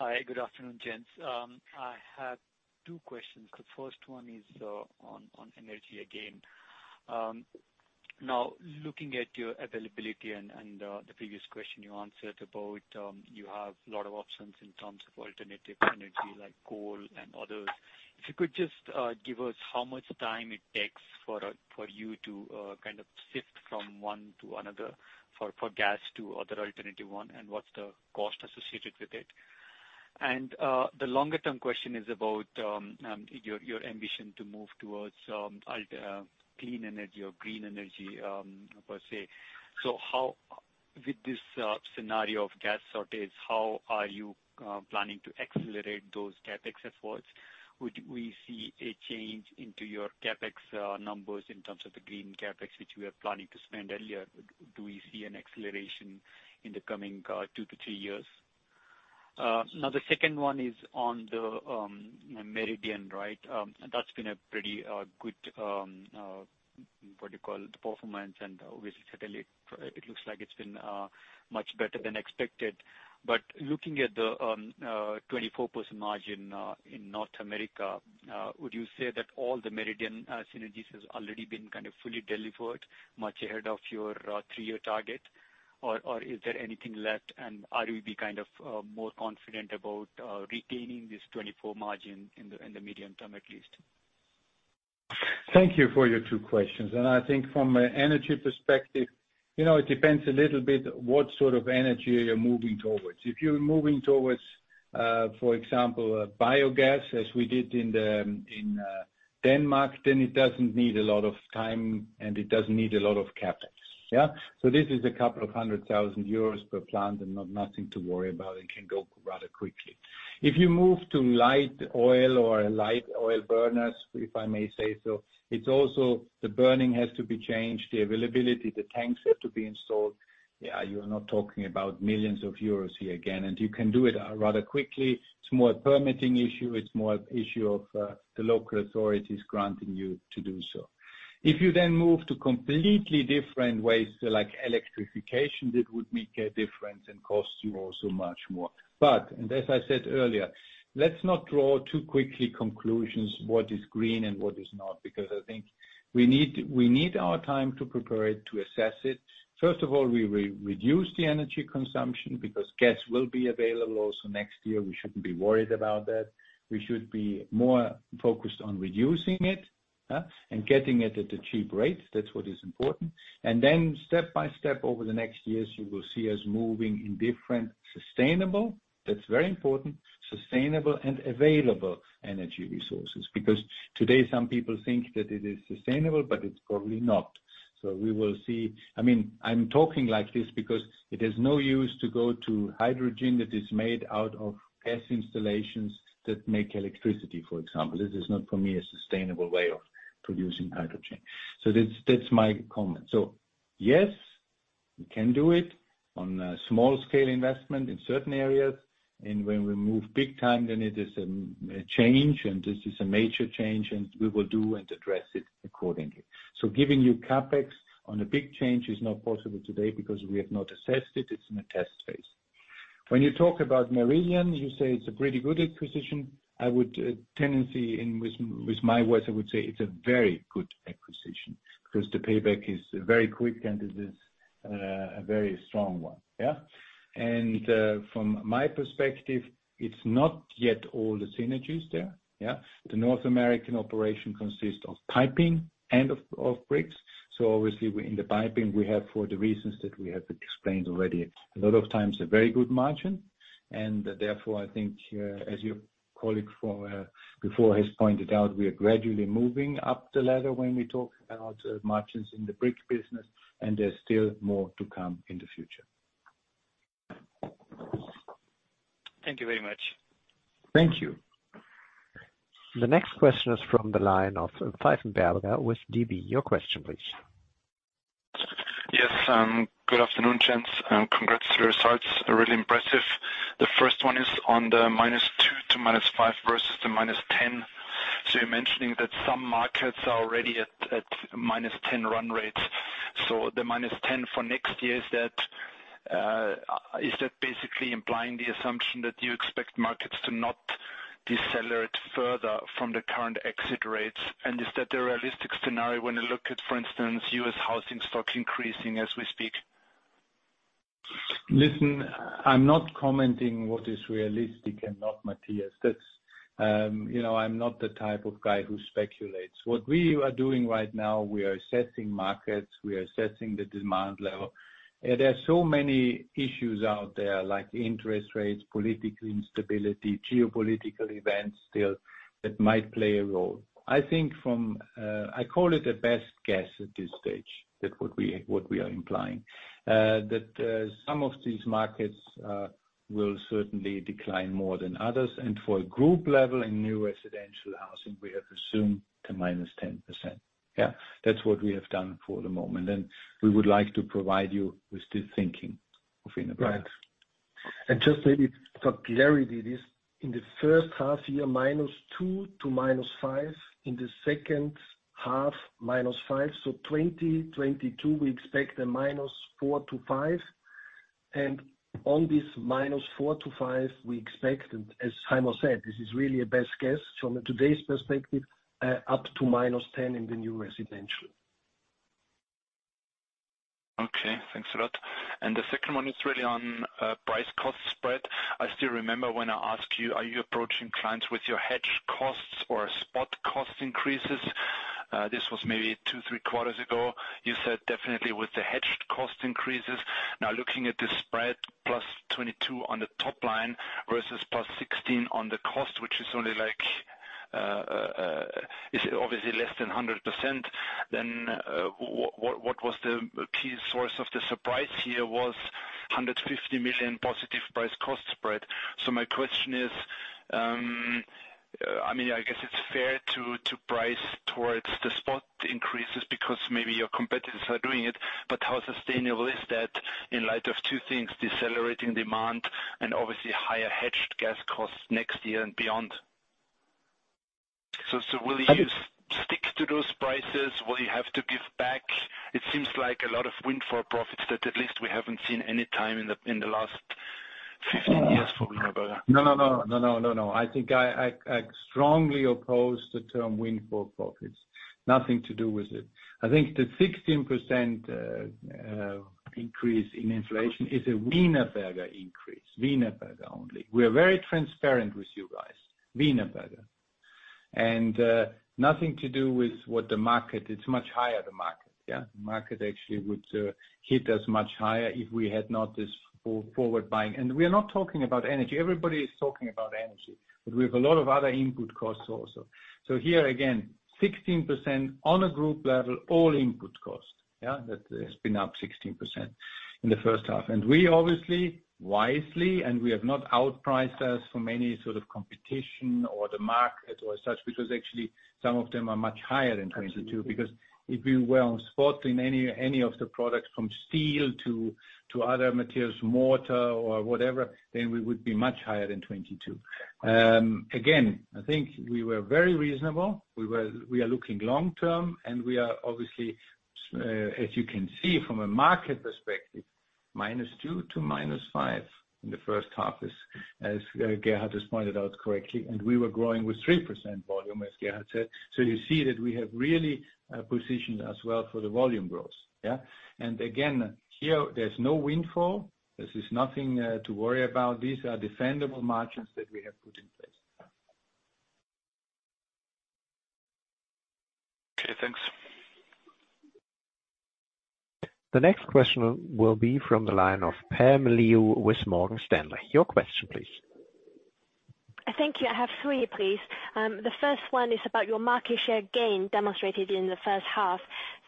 Hi, good afternoon, gents. I have two questions. The first one is on energy again. Now looking at your availability and the previous question you answered about, you have a lot of options in terms of alternative energy like coal and others. If you could just give us how much time it takes for you to kind of shift from one to another for gas to other alternative one and what's the cost associated with it? The longer term question is about your ambition to move towards clean energy or green energy per se. How, with this scenario of gas shortage, are you planning to accelerate those CapEx efforts? Would we see a change in your CapEx numbers in terms of the Green CapEx, which we are planning to spend earlier? Do we see an acceleration in the coming two to three years? Now the second one is on the Meridian, right? That's been a pretty good performance. Obviously, certainly it looks like it's been much better than expected. Looking at the 24% margin in North America, would you say that all the Meridian synergies has already been kind of fully delivered much ahead of your three-year target? Is there anything left? Are you being kind of more confident about retaining this 24% margin in the medium term at least? Thank you for your two questions. I think from an energy perspective, you know, it depends a little bit what sort of energy you're moving towards. If you're moving towards, for example, biogas as we did in Denmark, then it doesn't need a lot of time, and it doesn't need a lot of CapEx. Yeah. This is 200,000 euros per plant and nothing to worry about. It can go rather quickly. If you move to light oil or light oil burners, if I may say so, it's also the burning has to be changed, the availability, the tanks have to be installed. Yeah, you're not talking about millions of euro here again, and you can do it rather quickly. It's more a permitting issue. It's more an issue of the local authorities granting you to do so. If you then move to completely different ways, like electrification, that would make a difference and cost you also much more. As I said earlier, let's not draw too quickly conclusions what is green and what is not, because I think we need our time to prepare it, to assess it. First of all, we will reduce the energy consumption because gas will be available also next year. We shouldn't be worried about that. We should be more focused on reducing it, and getting it at a cheap rate. That's what is important. Then step by step over the next years, you will see us moving in different, sustainable, that's very important, sustainable and available energy resources. Because today, some people think that it is sustainable, but it's probably not. We will see. I mean, I'm talking like this because it is no use to go to hydrogen that is made out of gas installations that make electricity, for example. This is not, for me, a sustainable way of producing hydrogen. That's my comment. Yes, we can do it on a small scale investment in certain areas. When we move big time, then it is a major change, and this is a major change, and we will do and address it accordingly. Giving you CapEx on a big change is not possible today because we have not assessed it. It's in a test phase. When you talk about Meridian, you say it's a pretty good acquisition. I would say it's a very good acquisition 'cause the payback is very quick, and it is a very strong one. Yeah. From my perspective, it's not yet all the synergies there, yeah. The North American operation consists of piping and of bricks. Obviously, we're in the piping we have for the reasons that we have explained already. A lot of times a very good margin. Therefore, I think, as your colleague from before has pointed out, we are gradually moving up the ladder when we talk about margins in the brick business, and there's still more to come in the future. Thank you very much. Thank you. The next question is from the line of Matthias Pfeifenberger with DB. Your question, please. Yes, good afternoon, gents. Congrats to your results are really impressive. The first one is on the -2% to -5% versus the -10%. You're mentioning that some markets are already at -10% run rates. The -10% for next year, is that basically implying the assumption that you expect markets to not decelerate further from the current exit rates? Is that a realistic scenario when you look at, for instance, U.S. housing stock increasing as we speak? Listen, I'm not commenting what is realistic and not, Matthias. That's, you know, I'm not the type of guy who speculates. What we are doing right now, we are assessing markets, we are assessing the demand level. There are so many issues out there, like interest rates, political instability, geopolitical events still that might play a role. I think from, I call it a best guess at this stage, that what we are implying. That some of these markets will certainly decline more than others. For group level in new residential housing, we have assumed -10%. Yeah. That's what we have done for the moment. We would like to provide you with this thinking moving forward. Right. Just maybe for clarity, this in the first half year, -2% to -5%. In the second half, -5%. 2022, we expect a -4% to -5%. On this -4% to -5%, we expect, as Heimo Scheuch said, this is really a best guess from today's perspective, up to -10% in the new residential. Okay, thanks a lot. The second one is really on price cost spread. I still remember when I asked you, are you approaching clients with your hedged costs or spot cost increases? This was maybe two, three quarters ago. You said definitely with the hedged cost increases. Now, looking at the spread, +22% on the top line versus +16% on the cost, which is only like is obviously less than 100%, then what was the key source of the surprise here was +150 million price cost spread. My question is, I mean, I guess it's fair to price towards the spot increases because maybe your competitors are doing it, but how sustainable is that in light of two things, decelerating demand and obviously higher hedged gas costs next year and beyond? Will you stick to those prices? Will you have to give back? It seems like a lot of windfall profits that at least we haven't seen any time in the last 15 years for Wienerberger. No, no. I think I strongly oppose the term windfall profits. Nothing to do with it. I think the 16% increase in inflation is a Wienerberger increase. Wienerberger only. We are very transparent with you guys. Wienerberger. Nothing to do with what the market. It's much higher, the market, yeah? The market actually would hit us much higher if we had not this forward buying. We are not talking about energy. Everybody is talking about energy, but we have a lot of other input costs also. Here again, 16% on a group level, all input costs, yeah? That has been up 16% in the first half. We obviously, wisely, and we have not outpriced ourselves from any sort of competition or the market or such, because actually some of them are much higher than 22. Absolutely. Because if we were on spot in any of the products from steel to other materials, mortar or whatever, then we would be much higher than 22%. Again, I think we were very reasonable. We are looking long term, and we are obviously, as you can see from a market perspective, -2% to -5% in the first half as Gerhard has pointed out correctly, and we were growing with 3% volume, as Gerhard said. You see that we have really positioned ourself well for the volume growth, yeah? Again, here there's no windfall. This is nothing to worry about. These are defendable margins that we have put in place. Okay, thanks. The next question will be from the line of Pam Liu with Morgan Stanley. Your question please. Thank you. I have three, please. The first one is about your market share gain demonstrated in the first half.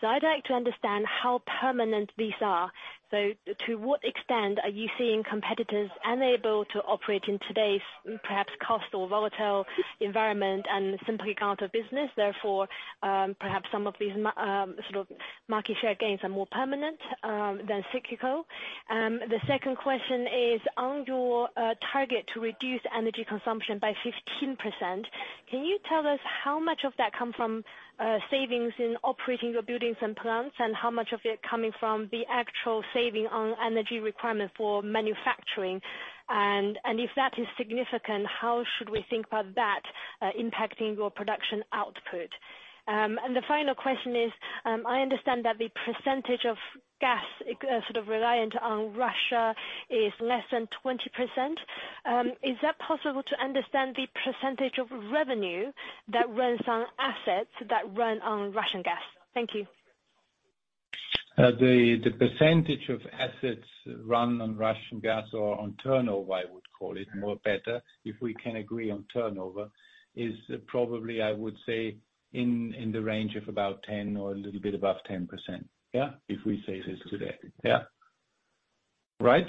I'd like to understand how permanent these are. To what extent are you seeing competitors unable to operate in today's perhaps cost or volatile environment and simply go out of business, therefore, perhaps some of these sort of market share gains are more permanent than cyclical? The second question is on your target to reduce energy consumption by 15%, can you tell us how much of that come from savings in operating your buildings and plants? And how much of it coming from the actual saving on energy requirement for manufacturing? If that is significant, how should we think about that impacting your production output? The final question is, I understand that the percentage of gas sort of reliant on Russia is less than 20%. Is that possible to understand the percentage of revenue that runs on assets that run on Russian gas? Thank you. The percentage of assets run on Russian gas or on turnover, I would call it more better if we can agree on turnover, is probably, I would say, in the range of about 10 or a little bit above 10%, yeah? If we say this today, yeah. Right.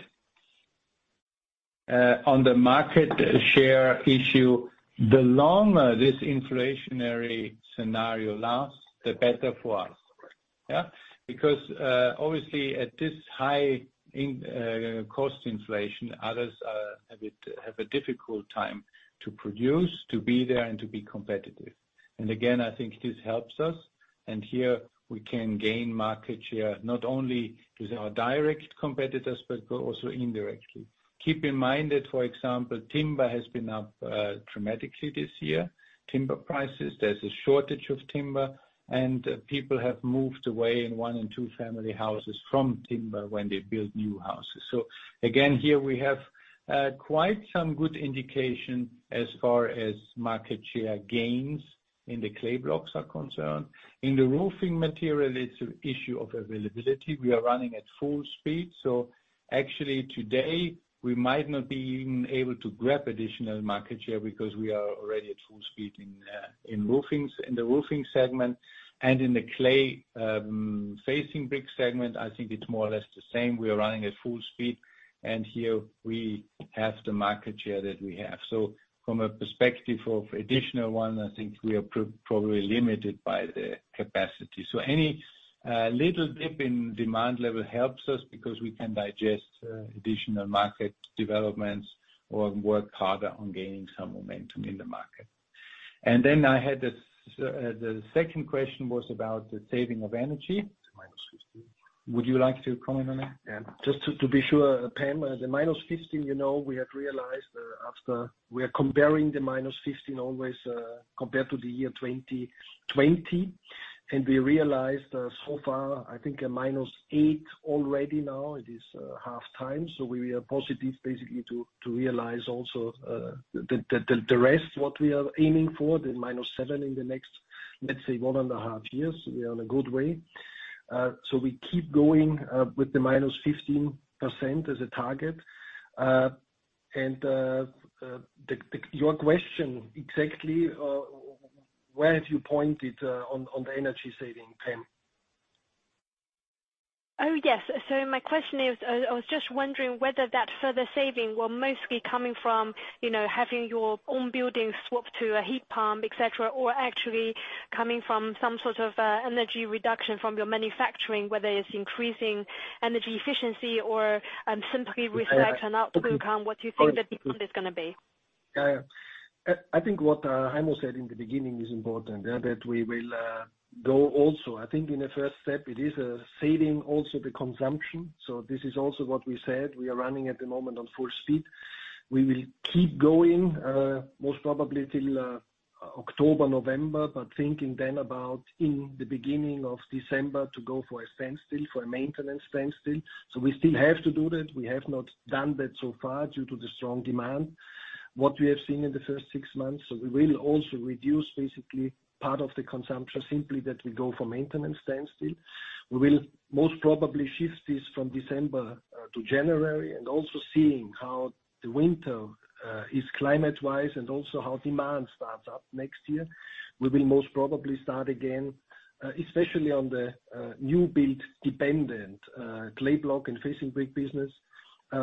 On the market share issue, the longer this inflationary scenario lasts, the better for us. Yeah? Because obviously at this high in cost inflation, others have a difficult time to produce, to be there and to be competitive. I think this helps us. Here we can gain market share not only with our direct competitors but also indirectly. Keep in mind that, for example, timber has been up dramatically this year. Timber prices, there's a shortage of timber, and people have moved away in one- and two-family houses from timber when they build new houses. Again, here we have quite some good indication as far as market share gains in the clay blocks are concerned. In the roofing material, it's an issue of availability. We are running at full speed, so actually today we might not be even able to grab additional market share because we are already at full speed in roofings, in the roofing segment. In the clay facing brick segment, I think it's more or less the same. We are running at full speed. Here we have the market share that we have. From a perspective of additional one, I think we are probably limited by the capacity. Any little dip in demand level helps us because we can digest additional market developments or work harder on gaining some momentum in the market. Then I had the second question was about the saving of energy. -15. Would you like to comment on that? Yeah. Just to be sure, Pam, the -15, you know, we had realized after we are comparing the -15 always compared to the year 2020, and we realized so far I think a -8 already now it is halftime. We are positive basically to realize also the rest what we are aiming for, the -7 in the next, let's say 1.5 years, we are on a good way. We keep going with the -15% as a target. Your question exactly, where have you pointed on the energy saving, Pam? Oh, yes. My question is, I was just wondering whether that further saving were mostly coming from, you know, having your own buildings swapped to a heat pump, etc., or actually coming from some sort of, energy reduction from your manufacturing, whether it's increasing energy efficiency or, simply reflect on outcome, what you think the decline is gonna be? Yeah. I think what Heimo said in the beginning is important, yeah? That we will go also. I think in the first step it is saving also the consumption. This is also what we said, we are running at the moment on full speed. We will keep going most probably till October, November, but thinking then about in the beginning of December to go for a standstill, for a maintenance standstill. We still have to do that, we have not done that so far due to the strong demand. What we have seen in the first six months, so we will also reduce basically part of the consumption, simply that we go for maintenance standstill. We will most probably shift this from December to January, and also seeing how the winter is climate-wise, and also how demand starts up next year. We will most probably start again, especially on the new build dependent clay block and facing brick business,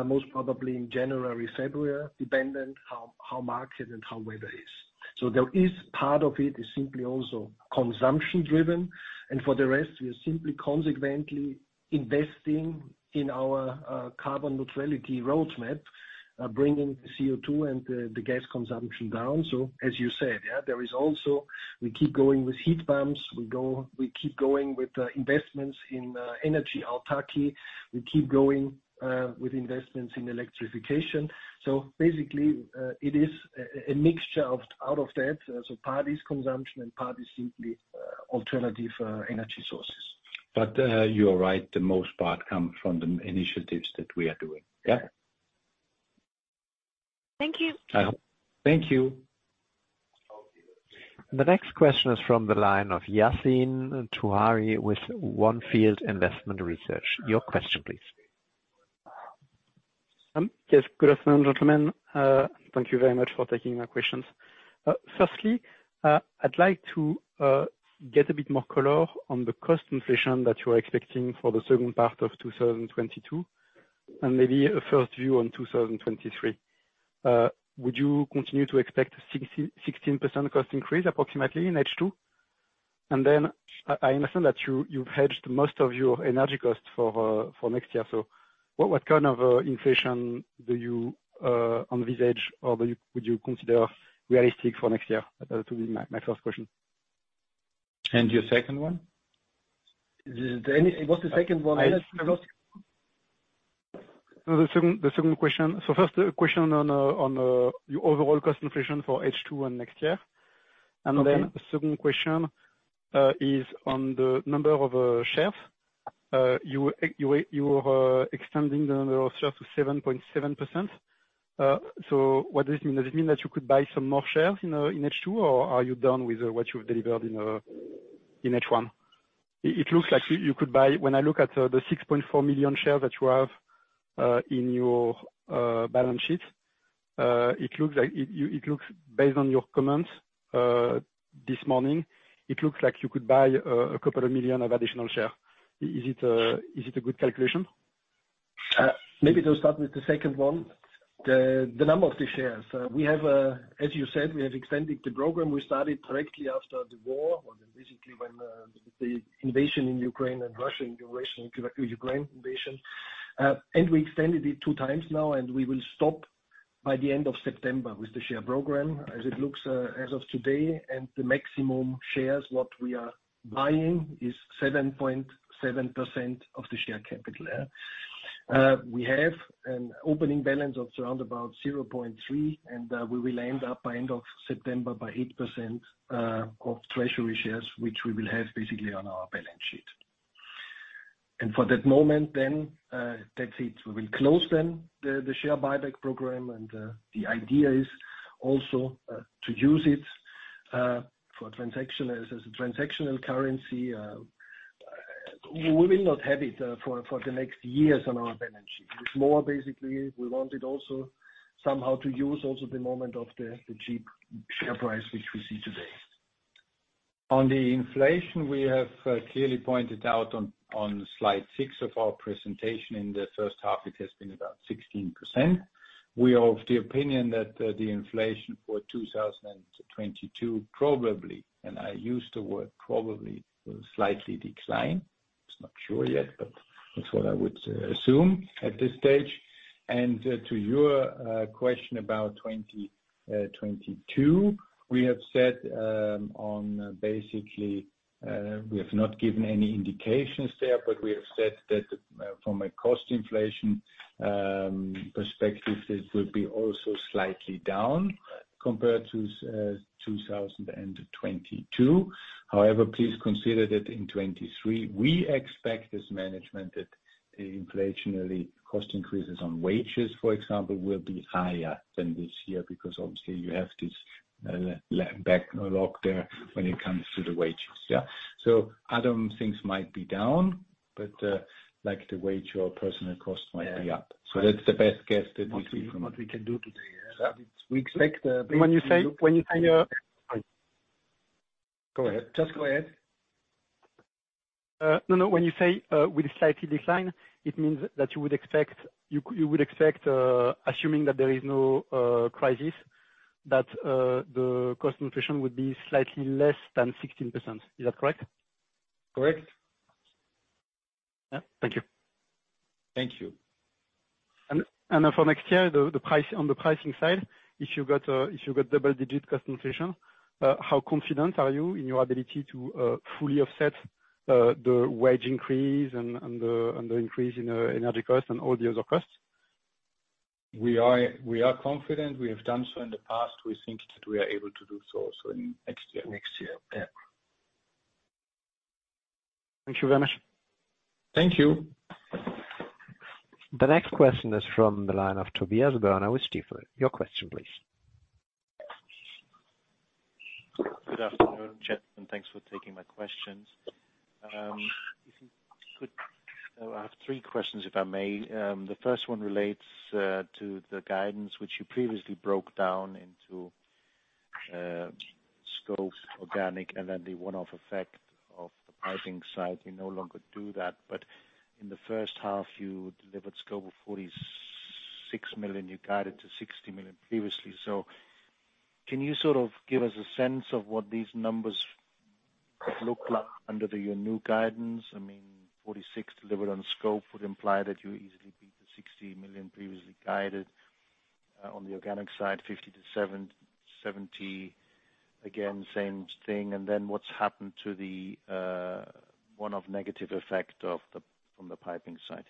most probably in January, February, dependent how market and how weather is. There is part of it is simply also consumption-driven, and for the rest we are simply consequently investing in our carbon neutrality roadmap, bringing the CO2 and the gas consumption down. As you said, yeah, there is also, we keep going with heat pumps, we keep going with investments in energy autarky. We keep going with investments in electrification. Basically, it is a mixture of that. Part is consumption and part is simply alternative energy sources. You are right, the most part come from the initiatives that we are doing. Yeah. Thank you. Uh-huh. Thank you. The next question is from the line of Yassine Touahri with On Field Investment Research. Your question please. Yes. Good afternoon, gentlemen. Thank you very much for taking our questions. Firstly, I'd like to get a bit more color on the cost inflation that you are expecting for the second part of 2022, and maybe a first view on 2023. Would you continue to expect 6%-16% cost increase approximately in H2? I understand that you have hedged most of your energy costs for next year. What kind of inflation do you envisage or would you consider realistic for next year? That will be my first question. Your second one? What's the second one? I lost. No. The second question. First question on your overall cost inflation for H2 and next year. Okay. The second question is on the number of shares. You were extending the number of shares to 7.7%. So what does it mean? Does it mean that you could buy some more shares, you know, in H2? Or are you done with what you've delivered in H1? It looks like you could buy. When I look at the 6.4 million shares that you have in your balance sheet, it looks like it looks based on your comments this morning, it looks like you could buy a couple of million of additional shares. Is it a good calculation? Maybe I'll start with the second one. The number of the shares. We have, as you said, extended the program we started directly after the war, or basically when the Russian invasion of Ukraine. We extended it two times now, and we will stop by the end of September with the share program as it looks, as of today. The maximum shares what we are buying is 7.7% of the share capital, yeah. We have an opening balance of around about 0.3% and we will end up by end of September by 8% of treasury shares, which we will have basically on our balance sheet. For that moment then, that's it. We will close then the Share Buyback Program and the idea is also to use it for transactions as a transactional currency. We will not have it for the next years on our balance sheet. It's more basically we wanted also somehow to use also the moment of the cheap share price, which we see today. On the inflation, we have clearly pointed out on slide six of our presentation in the first half, it has been about 16%. We are of the opinion that the inflation for 2022 probably, and I use the word probably, will slightly decline. It's not sure yet, but that's what I would assume at this stage. To your question about 2022, we have said basically we have not given any indications there, but we have said that from a cost inflation perspective, it will be also slightly down compared to 2022. However, please consider that in 2023, we expect as management that inflationary cost increases on wages, for example, will be higher than this year because obviously you have this labor backlog there when it comes to the wages. Other things might be down, but like the wage or personnel cost might be up. Yeah. That's the best guess that we see from it. What we can do today, yeah. Yeah. We expect based on. When you say. Go ahead. Just go ahead. No. When you say will slightly decline, it means that you would expect, assuming that there is no crisis, that the cost inflation would be slightly less than 16%. Is that correct? Correct. Yeah. Thank you. Thank you. For next year, the price on the pricing side, if you've got double-digit cost inflation, how confident are you in your ability to fully offset the wage increase and the increase in energy costs and all the other costs? We are confident. We have done so in the past. We think that we are able to do so in next year. Next year. Yeah. Thank you very much. Thank you. The next question is from the line of Tobias Woerner with Stifel. Your question please. Good afternoon, gentlemen. Thanks for taking my questions. I have three questions if I may. The first one relates to the guidance which you previously broke down into scope, organic, and then the one-off effect of the pricing side. We no longer do that. In the first half, you delivered scope of 46 million. You guided to 60 million previously. Can you sort of give us a sense of what these numbers look like under your new guidance? I mean, 46 delivered on scope would imply that you easily beat the 60 million previously guided on the organic side, 50-70. Again, same thing. Then what's happened to the one-off negative effect from the piping side?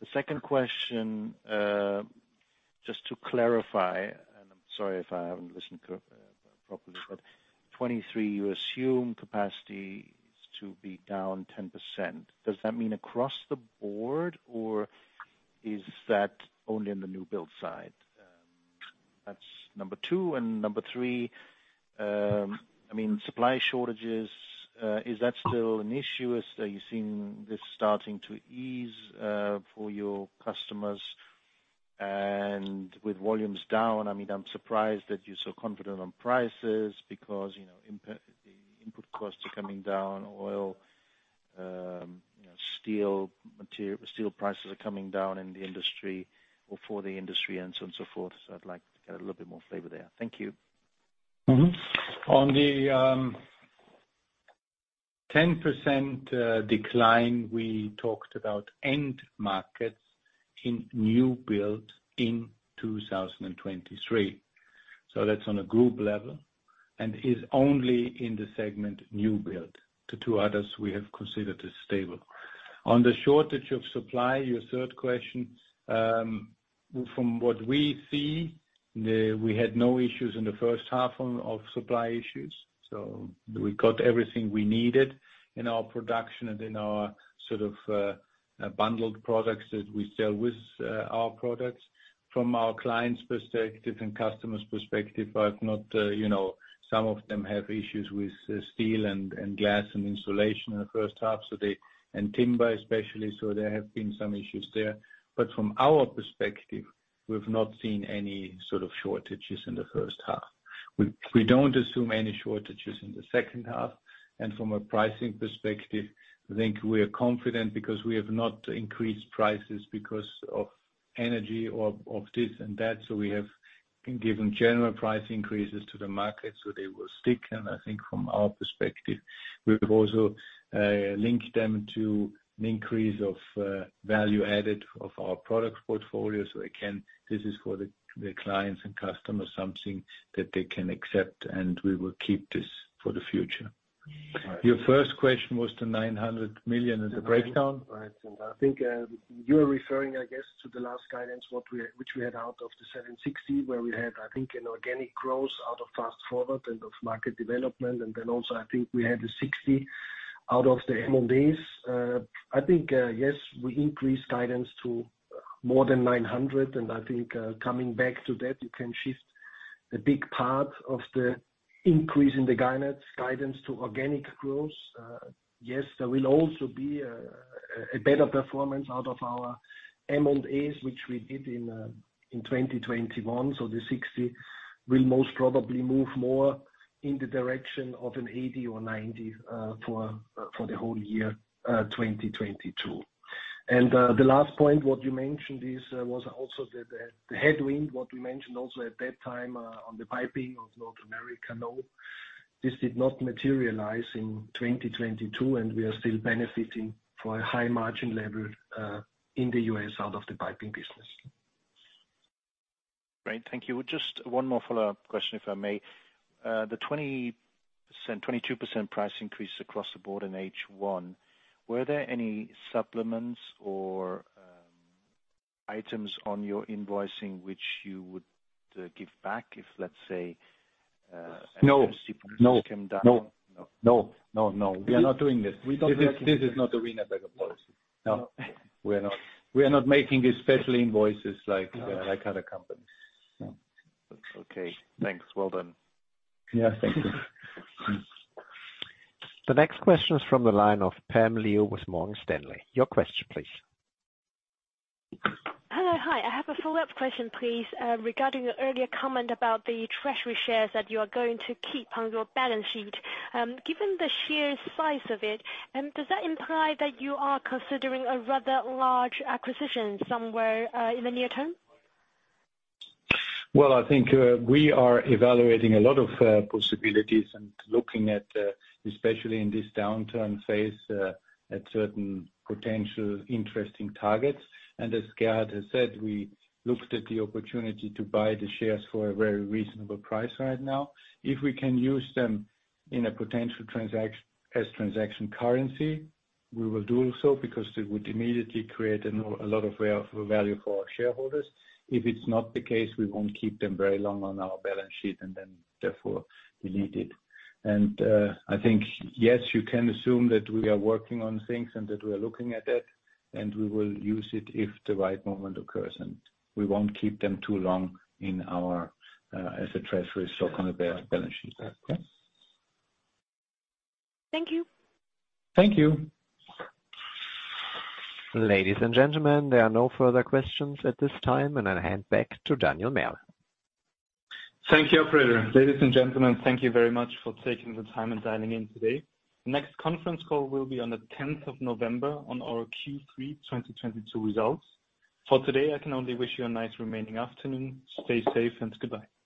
The second question, just to clarify, and I'm sorry if I haven't listened properly, but 2023, you assume capacity is to be down 10%. Does that mean across the board or is that only in the new build side? That's number two. Number three, I mean supply shortages, is that still an issue? Are you seeing this starting to ease for your customers? With volumes down, I mean, I'm surprised that you're so confident on prices because, you know, input, the input costs are coming down. Oil, you know, steel prices are coming down in the industry or for the industry and so on, so forth. I'd like to get a little bit more flavor there. Thank you. On the 10% decline we talked about end markets in new build in 2023. That's on a group level and is only in the segment new build. The two others we have considered as stable. On the shortage of supply, your third question, from what we see, we had no issues in the first half of supply issues. We got everything we needed in our production and in our sort of bundled products that we sell with our products. From our clients' perspective and customers' perspective, I've not you know, some of them have issues with steel and glass and insulation in the first half, so they and timber especially, so there have been some issues there. From our perspective, we've not seen any sort of shortages in the first half. We don't assume any shortages in the second half. From a pricing perspective, I think we are confident because we have not increased prices because of energy or this and that. We have given general price increases to the market, so they will stick. I think from our perspective, we've also linked them to an increase of value added of our products portfolio. Again, this is for the clients and customers, something that they can accept and we will keep this for the future. Your first question was the 900 million and the breakdown. Right. I think you're referring, I guess, to the last guidance which we had out of the 760 million, where we had, I think, an organic growth out of Fast Forward and of market development. Then also, I think we had the 60 million out of the M&As. I think yes, we increased guidance to more than 900 million and I think coming back to that, you can shift a big part of the increase in the guidance to organic growth. Yes, there will also be a better performance out of our M&As which we did in 2021. The 60 million will most probably move more in the direction of an 80 million or 90 million for the whole year 2022. The last point, what you mentioned, was also the headwind, what we mentioned also at that time, on the piping in North America. No, this did not materialize in 2022, and we are still benefiting from a high margin level in the U.S. from the piping business. Great. Thank you. Just one more follow-up question if I may. The 20%, 22% price increase across the board in H1, were there any supplements or items on your invoicing which you would give back if, let's say. No. Came down? No. We are not doing this. We don't. This is not a Wienerberger policy. No, we're not. We are not making these special invoices like other companies. No. Okay, thanks. Well done. Yeah. Thank you. The next question is from the line of Pam Liu with Morgan Stanley. Your question please. Hello. Hi. I have a follow-up question, please, regarding your earlier comment about the treasury shares that you are going to keep on your balance sheet. Given the sheer size of it, does that imply that you are considering a rather large acquisition somewhere, in the near term? Well, I think we are evaluating a lot of possibilities and looking at, especially in this downturn phase, at certain potential interesting targets. As Gerhard has said, we looked at the opportunity to buy the shares for a very reasonable price right now. If we can use them in a potential transaction as transaction currency, we will do so because it would immediately create a lot of value for our shareholders. If it's not the case, we won't keep them very long on our balance sheet and then therefore delete it. I think, yes, you can assume that we are working on things and that we are looking at it, and we will use it if the right moment occurs. We won't keep them too long in our as a treasury, so on the balance sheet. Thank you. Thank you. Ladies and gentlemen, there are no further questions at this time. I hand back to Daniel Merl. Thank you, operator. Ladies and gentlemen, thank you very much for taking the time and dialing in today. Next conference call will be on the tenth of November on our Q3 2022 results. For today, I can only wish you a nice remaining afternoon. Stay safe and goodbye.